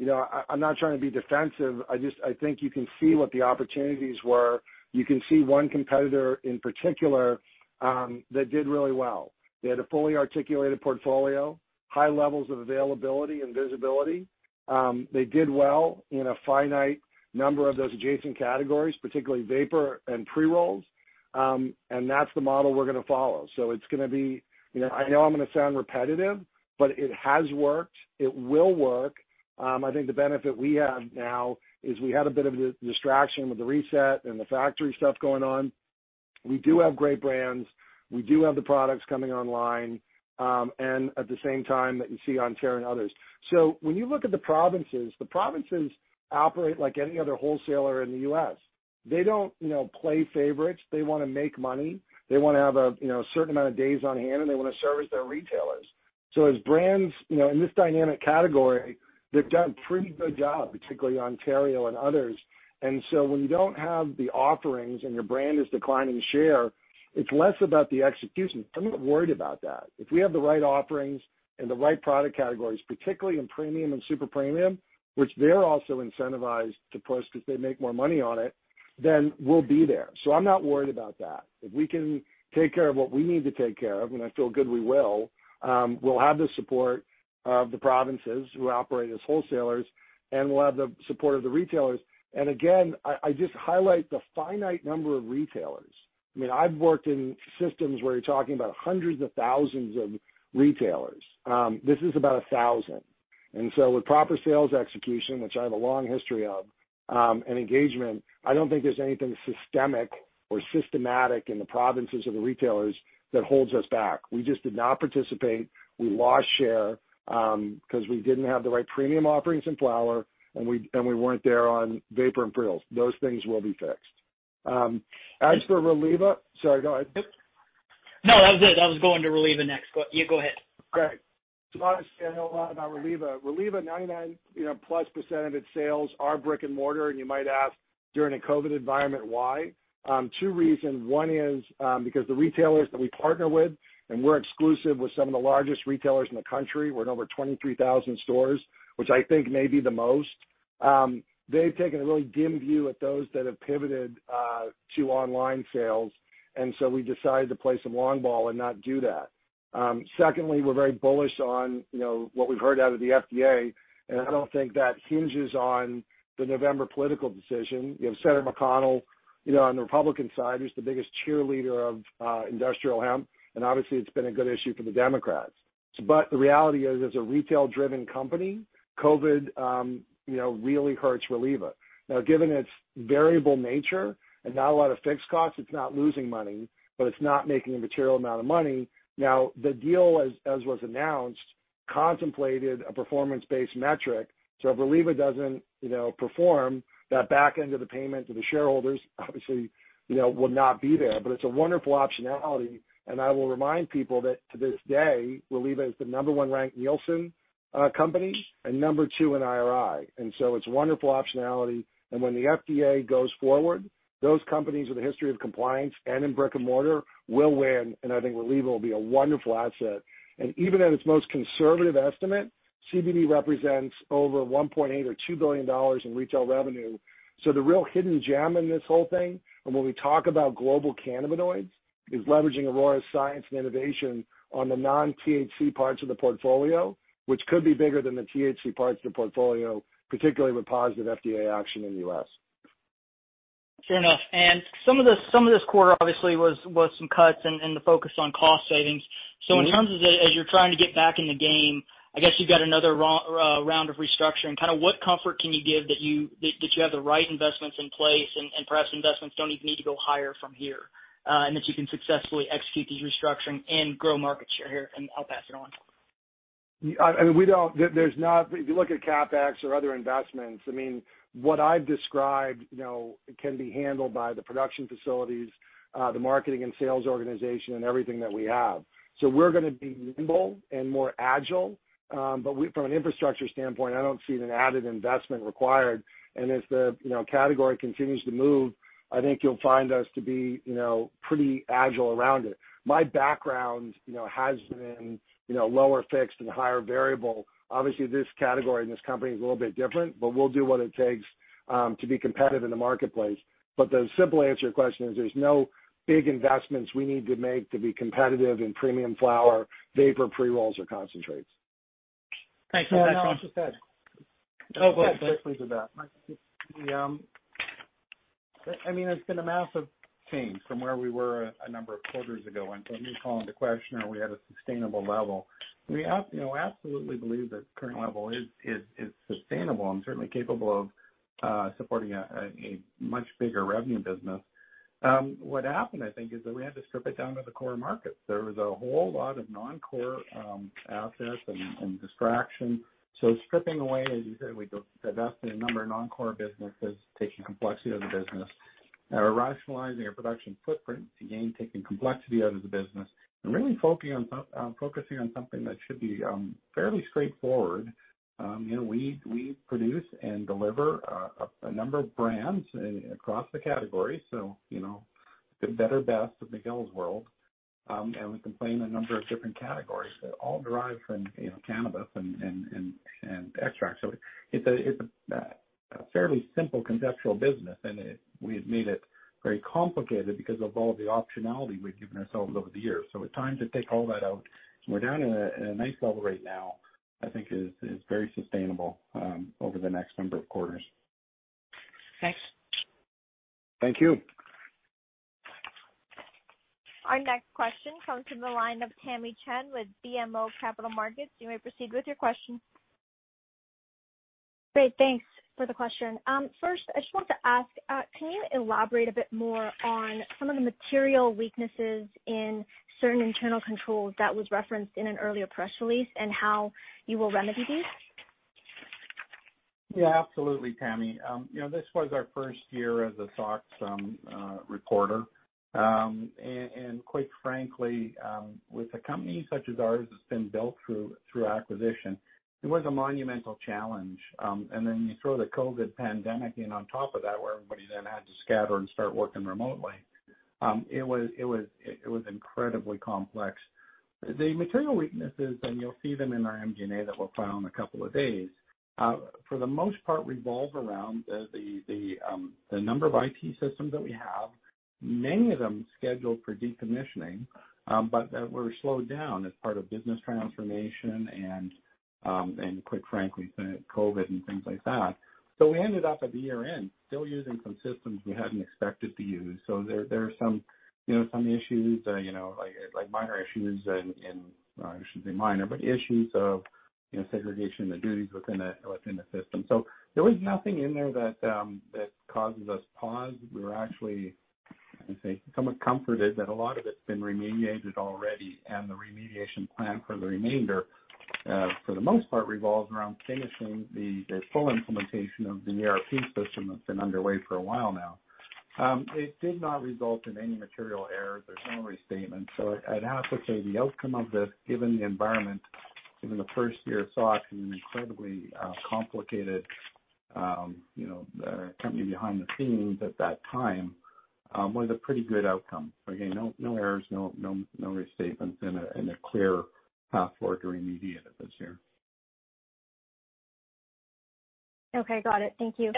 I'm not trying to be defensive. I think you can see what the opportunities were. You can see one competitor in particular that did really well. They had a fully articulated portfolio, high levels of availability and visibility. They did well in a finite number of those adjacent categories, particularly vapor and pre-rolls, and that's the model we're going to follow, so it's going to be, I know I'm going to sound repetitive, but it has worked. It will work. I think the benefit we have now is we had a bit of a distraction with the reset and the factory stuff going on. We do have great brands. We do have the products coming online, and at the same time that you see Ontario and others, so when you look at the provinces, the provinces operate like any other wholesaler in the U.S. They don't play favorites. They want to make money. They want to have a certain amount of days on hand, and they want to service their retailers, so as brands in this dynamic category, they've done a pretty good job, particularly Ontario and others. When you don't have the offerings and your brand is declining share, it's less about the execution. I'm not worried about that. If we have the right offerings and the right product categories, particularly in premium and super premium, which they're also incentivized to push because they make more money on it, then we'll be there. So I'm not worried about that. If we can take care of what we need to take care of, and I feel good we will, we'll have the support of the provinces who operate as wholesalers, and we'll have the support of the retailers. And again, I just highlight the finite number of retailers. I mean, I've worked in systems where you're talking about hundreds of thousands of retailers. This is about 1,000. With proper sales execution, which I have a long history of and engagement, I don't think there's anything systemic or systematic in the provinces or the retailers that holds us back. We just did not participate. We lost share because we didn't have the right premium offerings in flower, and we weren't there on vapes and pre-rolls. Those things will be fixed. As for Reliva. Sorry, go ahead. No, that was it. I was going to Reliva next. Yeah, go ahead. Great. So obviously, I know a lot about Reliva. Reliva, 99+% of its sales are brick and mortar. And you might ask, during a COVID environment, why? Two reasons. One is because the retailers that we partner with, and we're exclusive with some of the largest retailers in the country. We're in over 23,000 stores, which I think may be the most. They've taken a really dim view at those that have pivoted to online sales, and so we decided to play some long ball and not do that. Secondly, we're very bullish on what we've heard out of the FDA, and I don't think that hinges on the November political decision. You have Senator McConnell on the Republican side, who's the biggest cheerleader of industrial hemp, and obviously, it's been a good issue for the Democrats. But the reality is, as a retail-driven company, COVID really hurts Reliva. Now, given its variable nature and not a lot of fixed costs, it's not losing money, but it's not making a material amount of money. Now, the deal, as was announced, contemplated a performance-based metric. So if Reliva doesn't perform, that back end of the payment to the shareholders obviously will not be there. But it's a wonderful optionality, and I will remind people that to this day, Reliva is the number one ranked Nielsen company and number two in IRI. And so it's a wonderful optionality. And when the FDA goes forward, those companies with a history of compliance and in brick and mortar will win, and I think Reliva will be a wonderful asset. And even at its most conservative estimate, CBD represents over $1.8 billion or $2 billion in retail revenue. So the real hidden gem in this whole thing, and when we talk about global cannabinoids, is leveraging Aurora's science and innovation on the non-THC parts of the portfolio, which could be bigger than the THC parts of the portfolio, particularly with positive FDA action in the U.S. Fair enough. And some of this quarter, obviously, was some cuts and the focus on cost savings. So in terms of, as you're trying to get back in the game, I guess you've got another round of restructuring. Kind of what comfort can you give that you have the right investments in place and perhaps investments don't even need to go higher from here and that you can successfully execute these restructuring and grow market share here? And I'll pass it on. I mean, there's not if you look at CapEx or other investments. I mean, what I've described can be handled by the production facilities, the marketing and sales organization, and everything that we have. So we're going to be nimble and more agile, but from an infrastructure standpoint, I don't see an added investment required. And as the category continues to move, I think you'll find us to be pretty agile around it. My background has been lower fixed and higher variable. Obviously, this category and this company is a little bit different, but we'll do what it takes to be competitive in the marketplace. But the simple answer to your question is there's no big investments we need to make to be competitive in premium flower, vapes, pre-rolls, or concentrates. Thanks. That's all I wanted to say. I mean, it's been a massive change from where we were a number of quarters ago, and so when you're calling the questioner, we had a sustainable level. We absolutely believe that the current level is sustainable and certainly capable of supporting a much bigger revenue business. What happened, I think, is that we had to strip it down to the core markets. There was a whole lot of non-core assets and distraction, so stripping away, as you said, we invested in a number of non-core businesses, taking complexity out of the business, rationalizing our production footprint to gain, and really focusing on something that should be fairly straightforward. We produce and deliver a number of brands across the categories, so the best of Miguel's world, and we compete in a number of different categories that all derive from cannabis and extracts. So it's a fairly simple conceptual business, and we had made it very complicated because of all the optionality we've given ourselves over the years. So it's time to take all that out. And we're down to a nice level right now, I think, is very sustainable over the next number of quarters. Thanks. Thank you. Our next question comes from the line of Tamy Chen with BMO Capital Markets. You may proceed with your question. Great. Thanks for the question. First, I just want to ask, can you elaborate a bit more on some of the material weaknesses in certain internal controls that were referenced in an earlier press release and how you will remedy these? Yeah, absolutely, Tamy. This was our first year as a SOX reporter and quite frankly, with a company such as ours that's been built through acquisition, it was a monumental challenge, and then you throw the COVID pandemic in on top of that, where everybody then had to scatter and start working remotely. It was incredibly complex. The material weaknesses, and you'll see them in our MD&A that will file in a couple of days, for the most part, revolve around the number of IT systems that we have, many of them scheduled for decommissioning, but that were slowed down as part of business transformation and, quite frankly, COVID and things like that, so we ended up at the year-end still using some systems we hadn't expected to use. So there are some issues, like minor issues, and I shouldn't say minor, but issues of segregation of duties within the system. So there was nothing in there that causes us pause. We were actually, I'd say, somewhat comforted that a lot of it's been remediated already, and the remediation plan for the remainder, for the most part, revolves around finishing the full implementation of the ERP system that's been underway for a while now. It did not result in any material errors or summary statements. So I'd have to say the outcome of this, given the environment, given the first year of SOX and an incredibly complicated company behind the scenes at that time, was a pretty good outcome. Again, no errors, no restatements, and a clear path forward to remediate it this year. Okay. Got it. Thank you.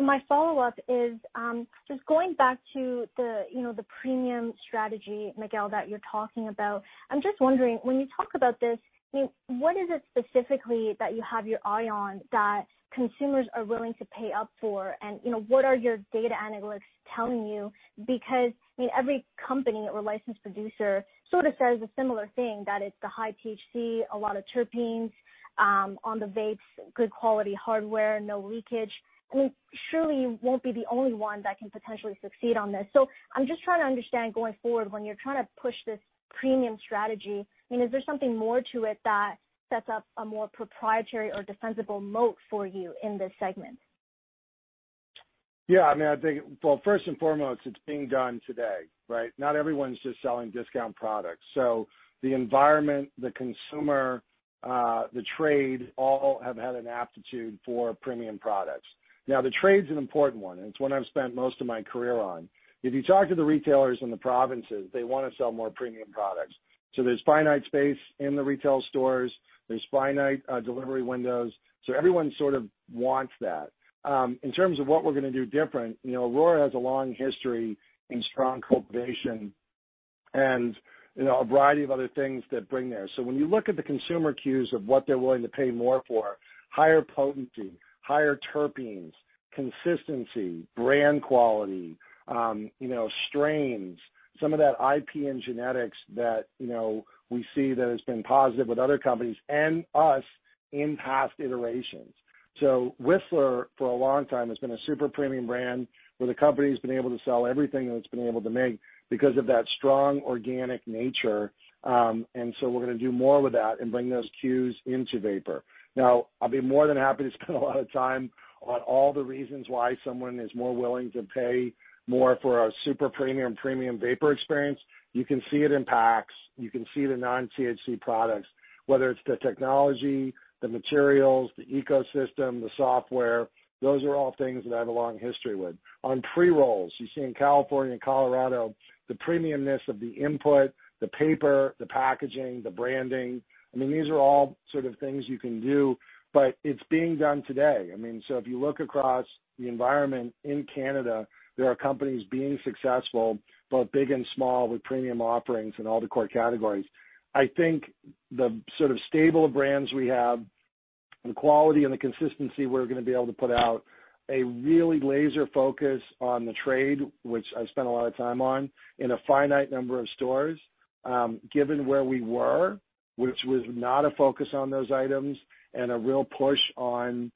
My follow-up is just going back to the premium strategy, Miguel, that you're talking about. I'm just wondering, when you talk about this, I mean, what is it specifically that you have your eye on that consumers are willing to pay up for? And what are your data analytics telling you? Because, I mean, every company or licensed producer sort of says a similar thing, that it's the high THC, a lot of terpenes on the vapes, good quality hardware, no leakage. I mean, surely you won't be the only one that can potentially succeed on this. So I'm just trying to understand going forward, when you're trying to push this premium strategy, I mean, is there something more to it that sets up a more proprietary or defensible moat for you in this segment? Yeah. I mean, I think, well, first and foremost, it's being done today, right? Not everyone's just selling discount products. So the environment, the consumer, the trade all have had an aptitude for premium products. Now, the trade's an important one, and it's one I've spent most of my career on. If you talk to the retailers in the provinces, they want to sell more premium products. So there's finite space in the retail stores. There's finite delivery windows. So everyone sort of wants that. In terms of what we're going to do different, Aurora has a long history and strong cultivation and a variety of other things that bring there. So when you look at the consumer cues of what they're willing to pay more for, higher potency, higher terpenes, consistency, brand quality, strains, some of that IP and genetics that we see that has been positive with other companies and us in past iterations. So Whistler, for a long time, has been a super premium brand where the company has been able to sell everything that it's been able to make because of that strong organic nature. And so we're going to do more with that and bring those cues into vapor. Now, I'll be more than happy to spend a lot of time on all the reasons why someone is more willing to pay more for a super premium premium vapor experience. You can see it in PAX. You can see the non-THC products, whether it's the technology, the materials, the ecosystem, the software. Those are all things that I have a long history with. On pre-rolls, you see in California and Colorado, the premiumness of the input, the paper, the packaging, the branding. I mean, these are all sort of things you can do, but it's being done today. I mean, so if you look across the environment in Canada, there are companies being successful, both big and small, with premium offerings in all the core categories. I think the sort of stable brands we have, the quality and the consistency we're going to be able to put out, a really laser focus on the trade, which I spent a lot of time on, in a finite number of stores, given where we were, which was not a focus on those items, and a real push on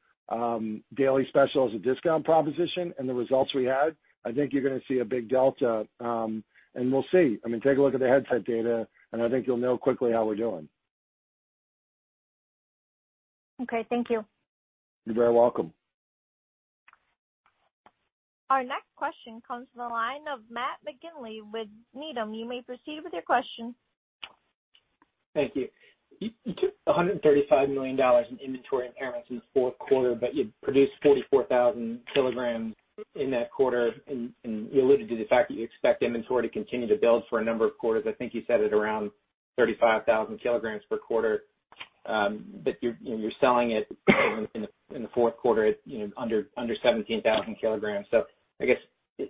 Daily Specials and discount proposition and the results we had. I think you're going to see a big delta, and we'll see. I mean, take a look at the Headset data, and I think you'll know quickly how we're doing. Okay. Thank you. You're very welcome. Our next question comes from the line of Matt McGinley with Needham. You may proceed with your question. Thank you. $135 million in inventory impairments in the fourth quarter, but you produced 44,000 kilograms in that quarter. And you alluded to the fact that you expect inventory to continue to build for a number of quarters. I think you said it around 35,000 kilograms per quarter, but you're selling it in the fourth quarter at under 17,000 kilograms. So I guess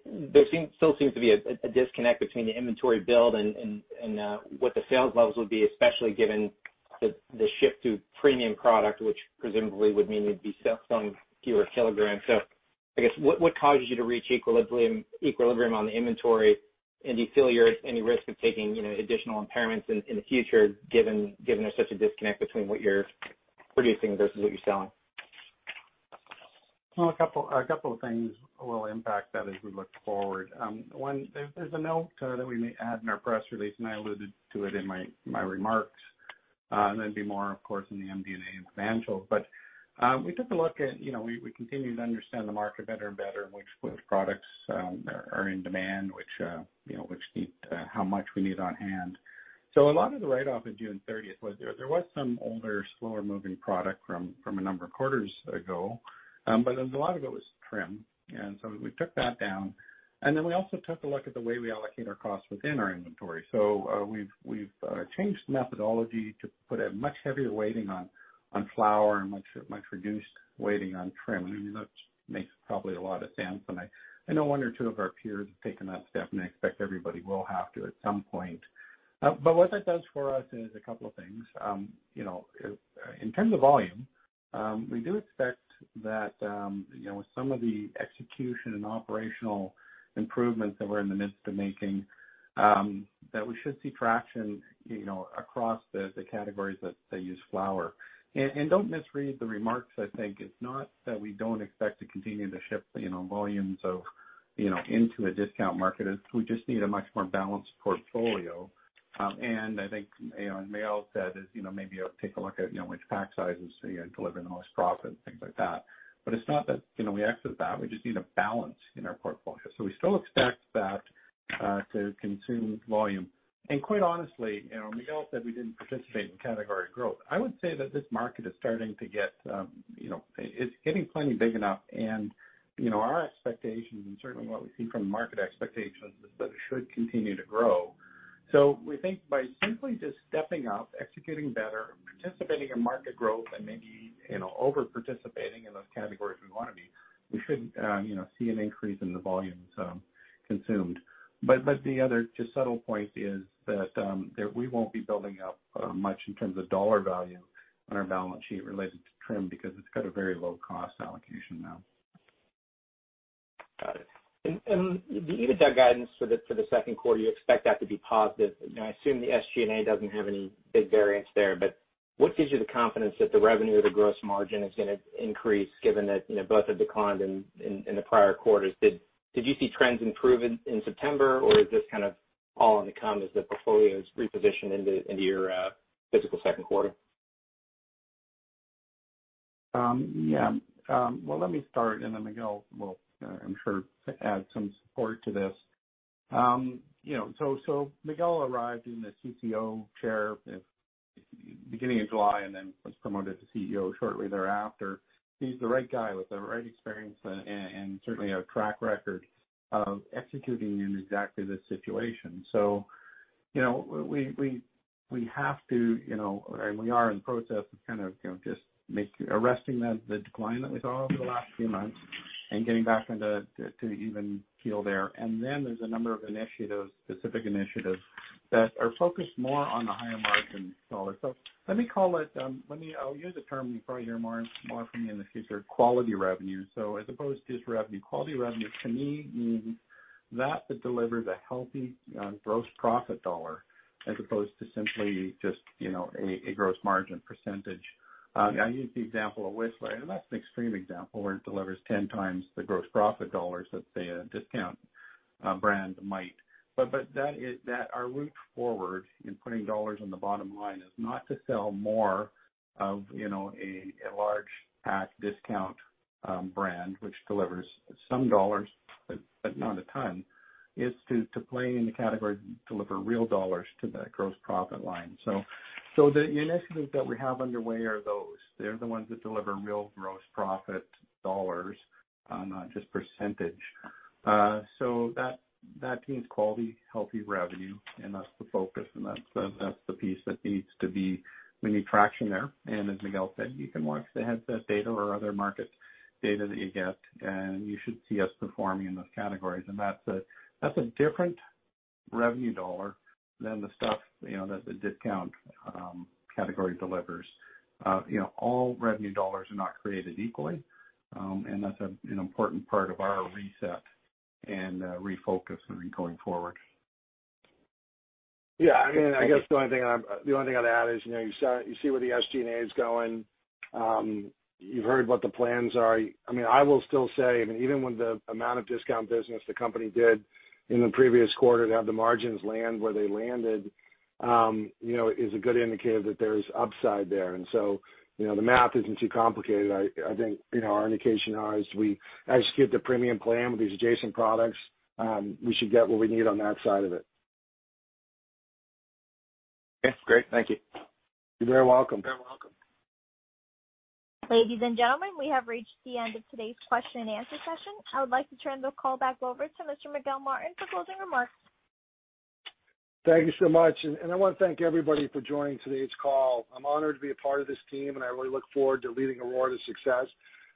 there still seems to be a disconnect between the inventory build and what the sales levels would be, especially given the shift to premium product, which presumably would mean you'd be selling fewer kilograms. So I guess, what causes you to reach equilibrium on the inventory, and do you feel you're at any risk of taking additional impairments in the future given there's such a disconnect between what you're producing versus what you're selling? A couple of things will impact that as we look forward. There's a note that we may add in our press release, and I alluded to it in my remarks. That'd be more, of course, in the MD&A and financials. We took a look at we continue to understand the market better and better, which products are in demand, which need how much we need on hand. A lot of the write-off in June 30th was some older, slower-moving product from a number of quarters ago, but a lot of it was trim. We took that down. We also took a look at the way we allocate our costs within our inventory. We've changed the methodology to put a much heavier weighting on flower and much reduced weighting on trim. I mean, that makes probably a lot of sense. I know one or two of our peers have taken that step, and I expect everybody will have to at some point. But what that does for us is a couple of things. In terms of volume, we do expect that with some of the execution and operational improvements that we're in the midst of making, that we should see traction across the categories that use flower. And don't misread the remarks. I think it's not that we don't expect to continue to shift volumes into a discount market. We just need a much more balanced portfolio. And I think, as Miguel said, is maybe take a look at which pack sizes deliver the most profit and things like that. But it's not that we exit that. We just need a balance in our portfolio. So we still expect that to consume volume. Quite honestly, Miguel said we didn't participate in category growth. I would say that this market is starting to get. It's getting plenty big enough. Our expectations, and certainly what we see from market expectations, is that it should continue to grow. We think by simply just stepping up, executing better, participating in market growth, and maybe over-participating in those categories we want to be, we should see an increase in the volumes consumed. The other just subtle point is that we won't be building up much in terms of dollar value on our balance sheet related to trim because it's got a very low cost allocation now. Got it. And the EBITDA guidance for the second quarter, you expect that to be positive. I assume the SG&A doesn't have any big variance there, but what gives you the confidence that the revenue or the gross margin is going to increase given that both have declined in the prior quarters? Did you see trends improve in September, or is this kind of all in the comp as the portfolio is repositioned into your fiscal second quarter? Yeah. Well, let me start, and then Miguel will, I'm sure, add some support to this. So Miguel arrived in the CCO chair at the beginning of July and then was promoted to CEO shortly thereafter. He's the right guy with the right experience and certainly a track record of executing in exactly this situation. So we have to, and we are in the process of kind of just arresting the decline that we saw over the last few months and getting back into even field there. And then there's a number of initiatives, specific initiatives that are focused more on the higher margin dollar. So let me call it. I'll use a term you'll probably hear more from me in the future, quality revenue. So as opposed to just revenue, quality revenue to me means that that delivers a healthy gross profit dollar as opposed to simply just a gross margin percentage. I use the example of Whistler, and that's an extreme example where it delivers 10 times the gross profit dollars that, say, a discount brand might. But our route forward in putting dollars on the bottom line is not to sell more of a large pack discount brand, which delivers some dollars but not a ton, is to play in the category that delivers real dollars to that gross profit line. So the initiatives that we have underway are those. They're the ones that deliver real gross profit dollars, not just percentage. So that means quality, healthy revenue, and that's the focus. And that's the piece that needs to be we need traction there. And as Miguel said, you can watch the Headset data or other market data that you get, and you should see us performing in those categories. And that's a different revenue dollar than the stuff that the discount category delivers. All revenue dollars are not created equally, and that's an important part of our reset and refocus going forward. Yeah. I mean, I guess the only thing I'd add is you see where the SG&A is going. You've heard what the plans are. I mean, I will still say, I mean, even with the amount of discount business the company did in the previous quarter to have the margins land where they landed is a good indicator that there's upside there. And so the math isn't too complicated. I think our indication is we execute the premium plan with these adjacent products. We should get what we need on that side of it. Okay. Great. Thank you. You're very welcome. You're very welcome. Ladies and gentlemen, we have reached the end of today's question and answer session. I would like to turn the call back over to Mr. Miguel Martin for closing remarks. Thank you so much. And I want to thank everybody for joining today's call. I'm honored to be a part of this team, and I really look forward to leading Aurora to success.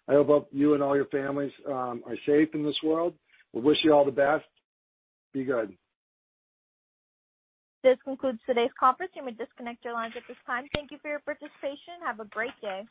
I hope you and all your families are safe in this world. We wish you all the best. Be good. This concludes today's conference. You may disconnect your lines at this time. Thank you for your participation. Have a great day.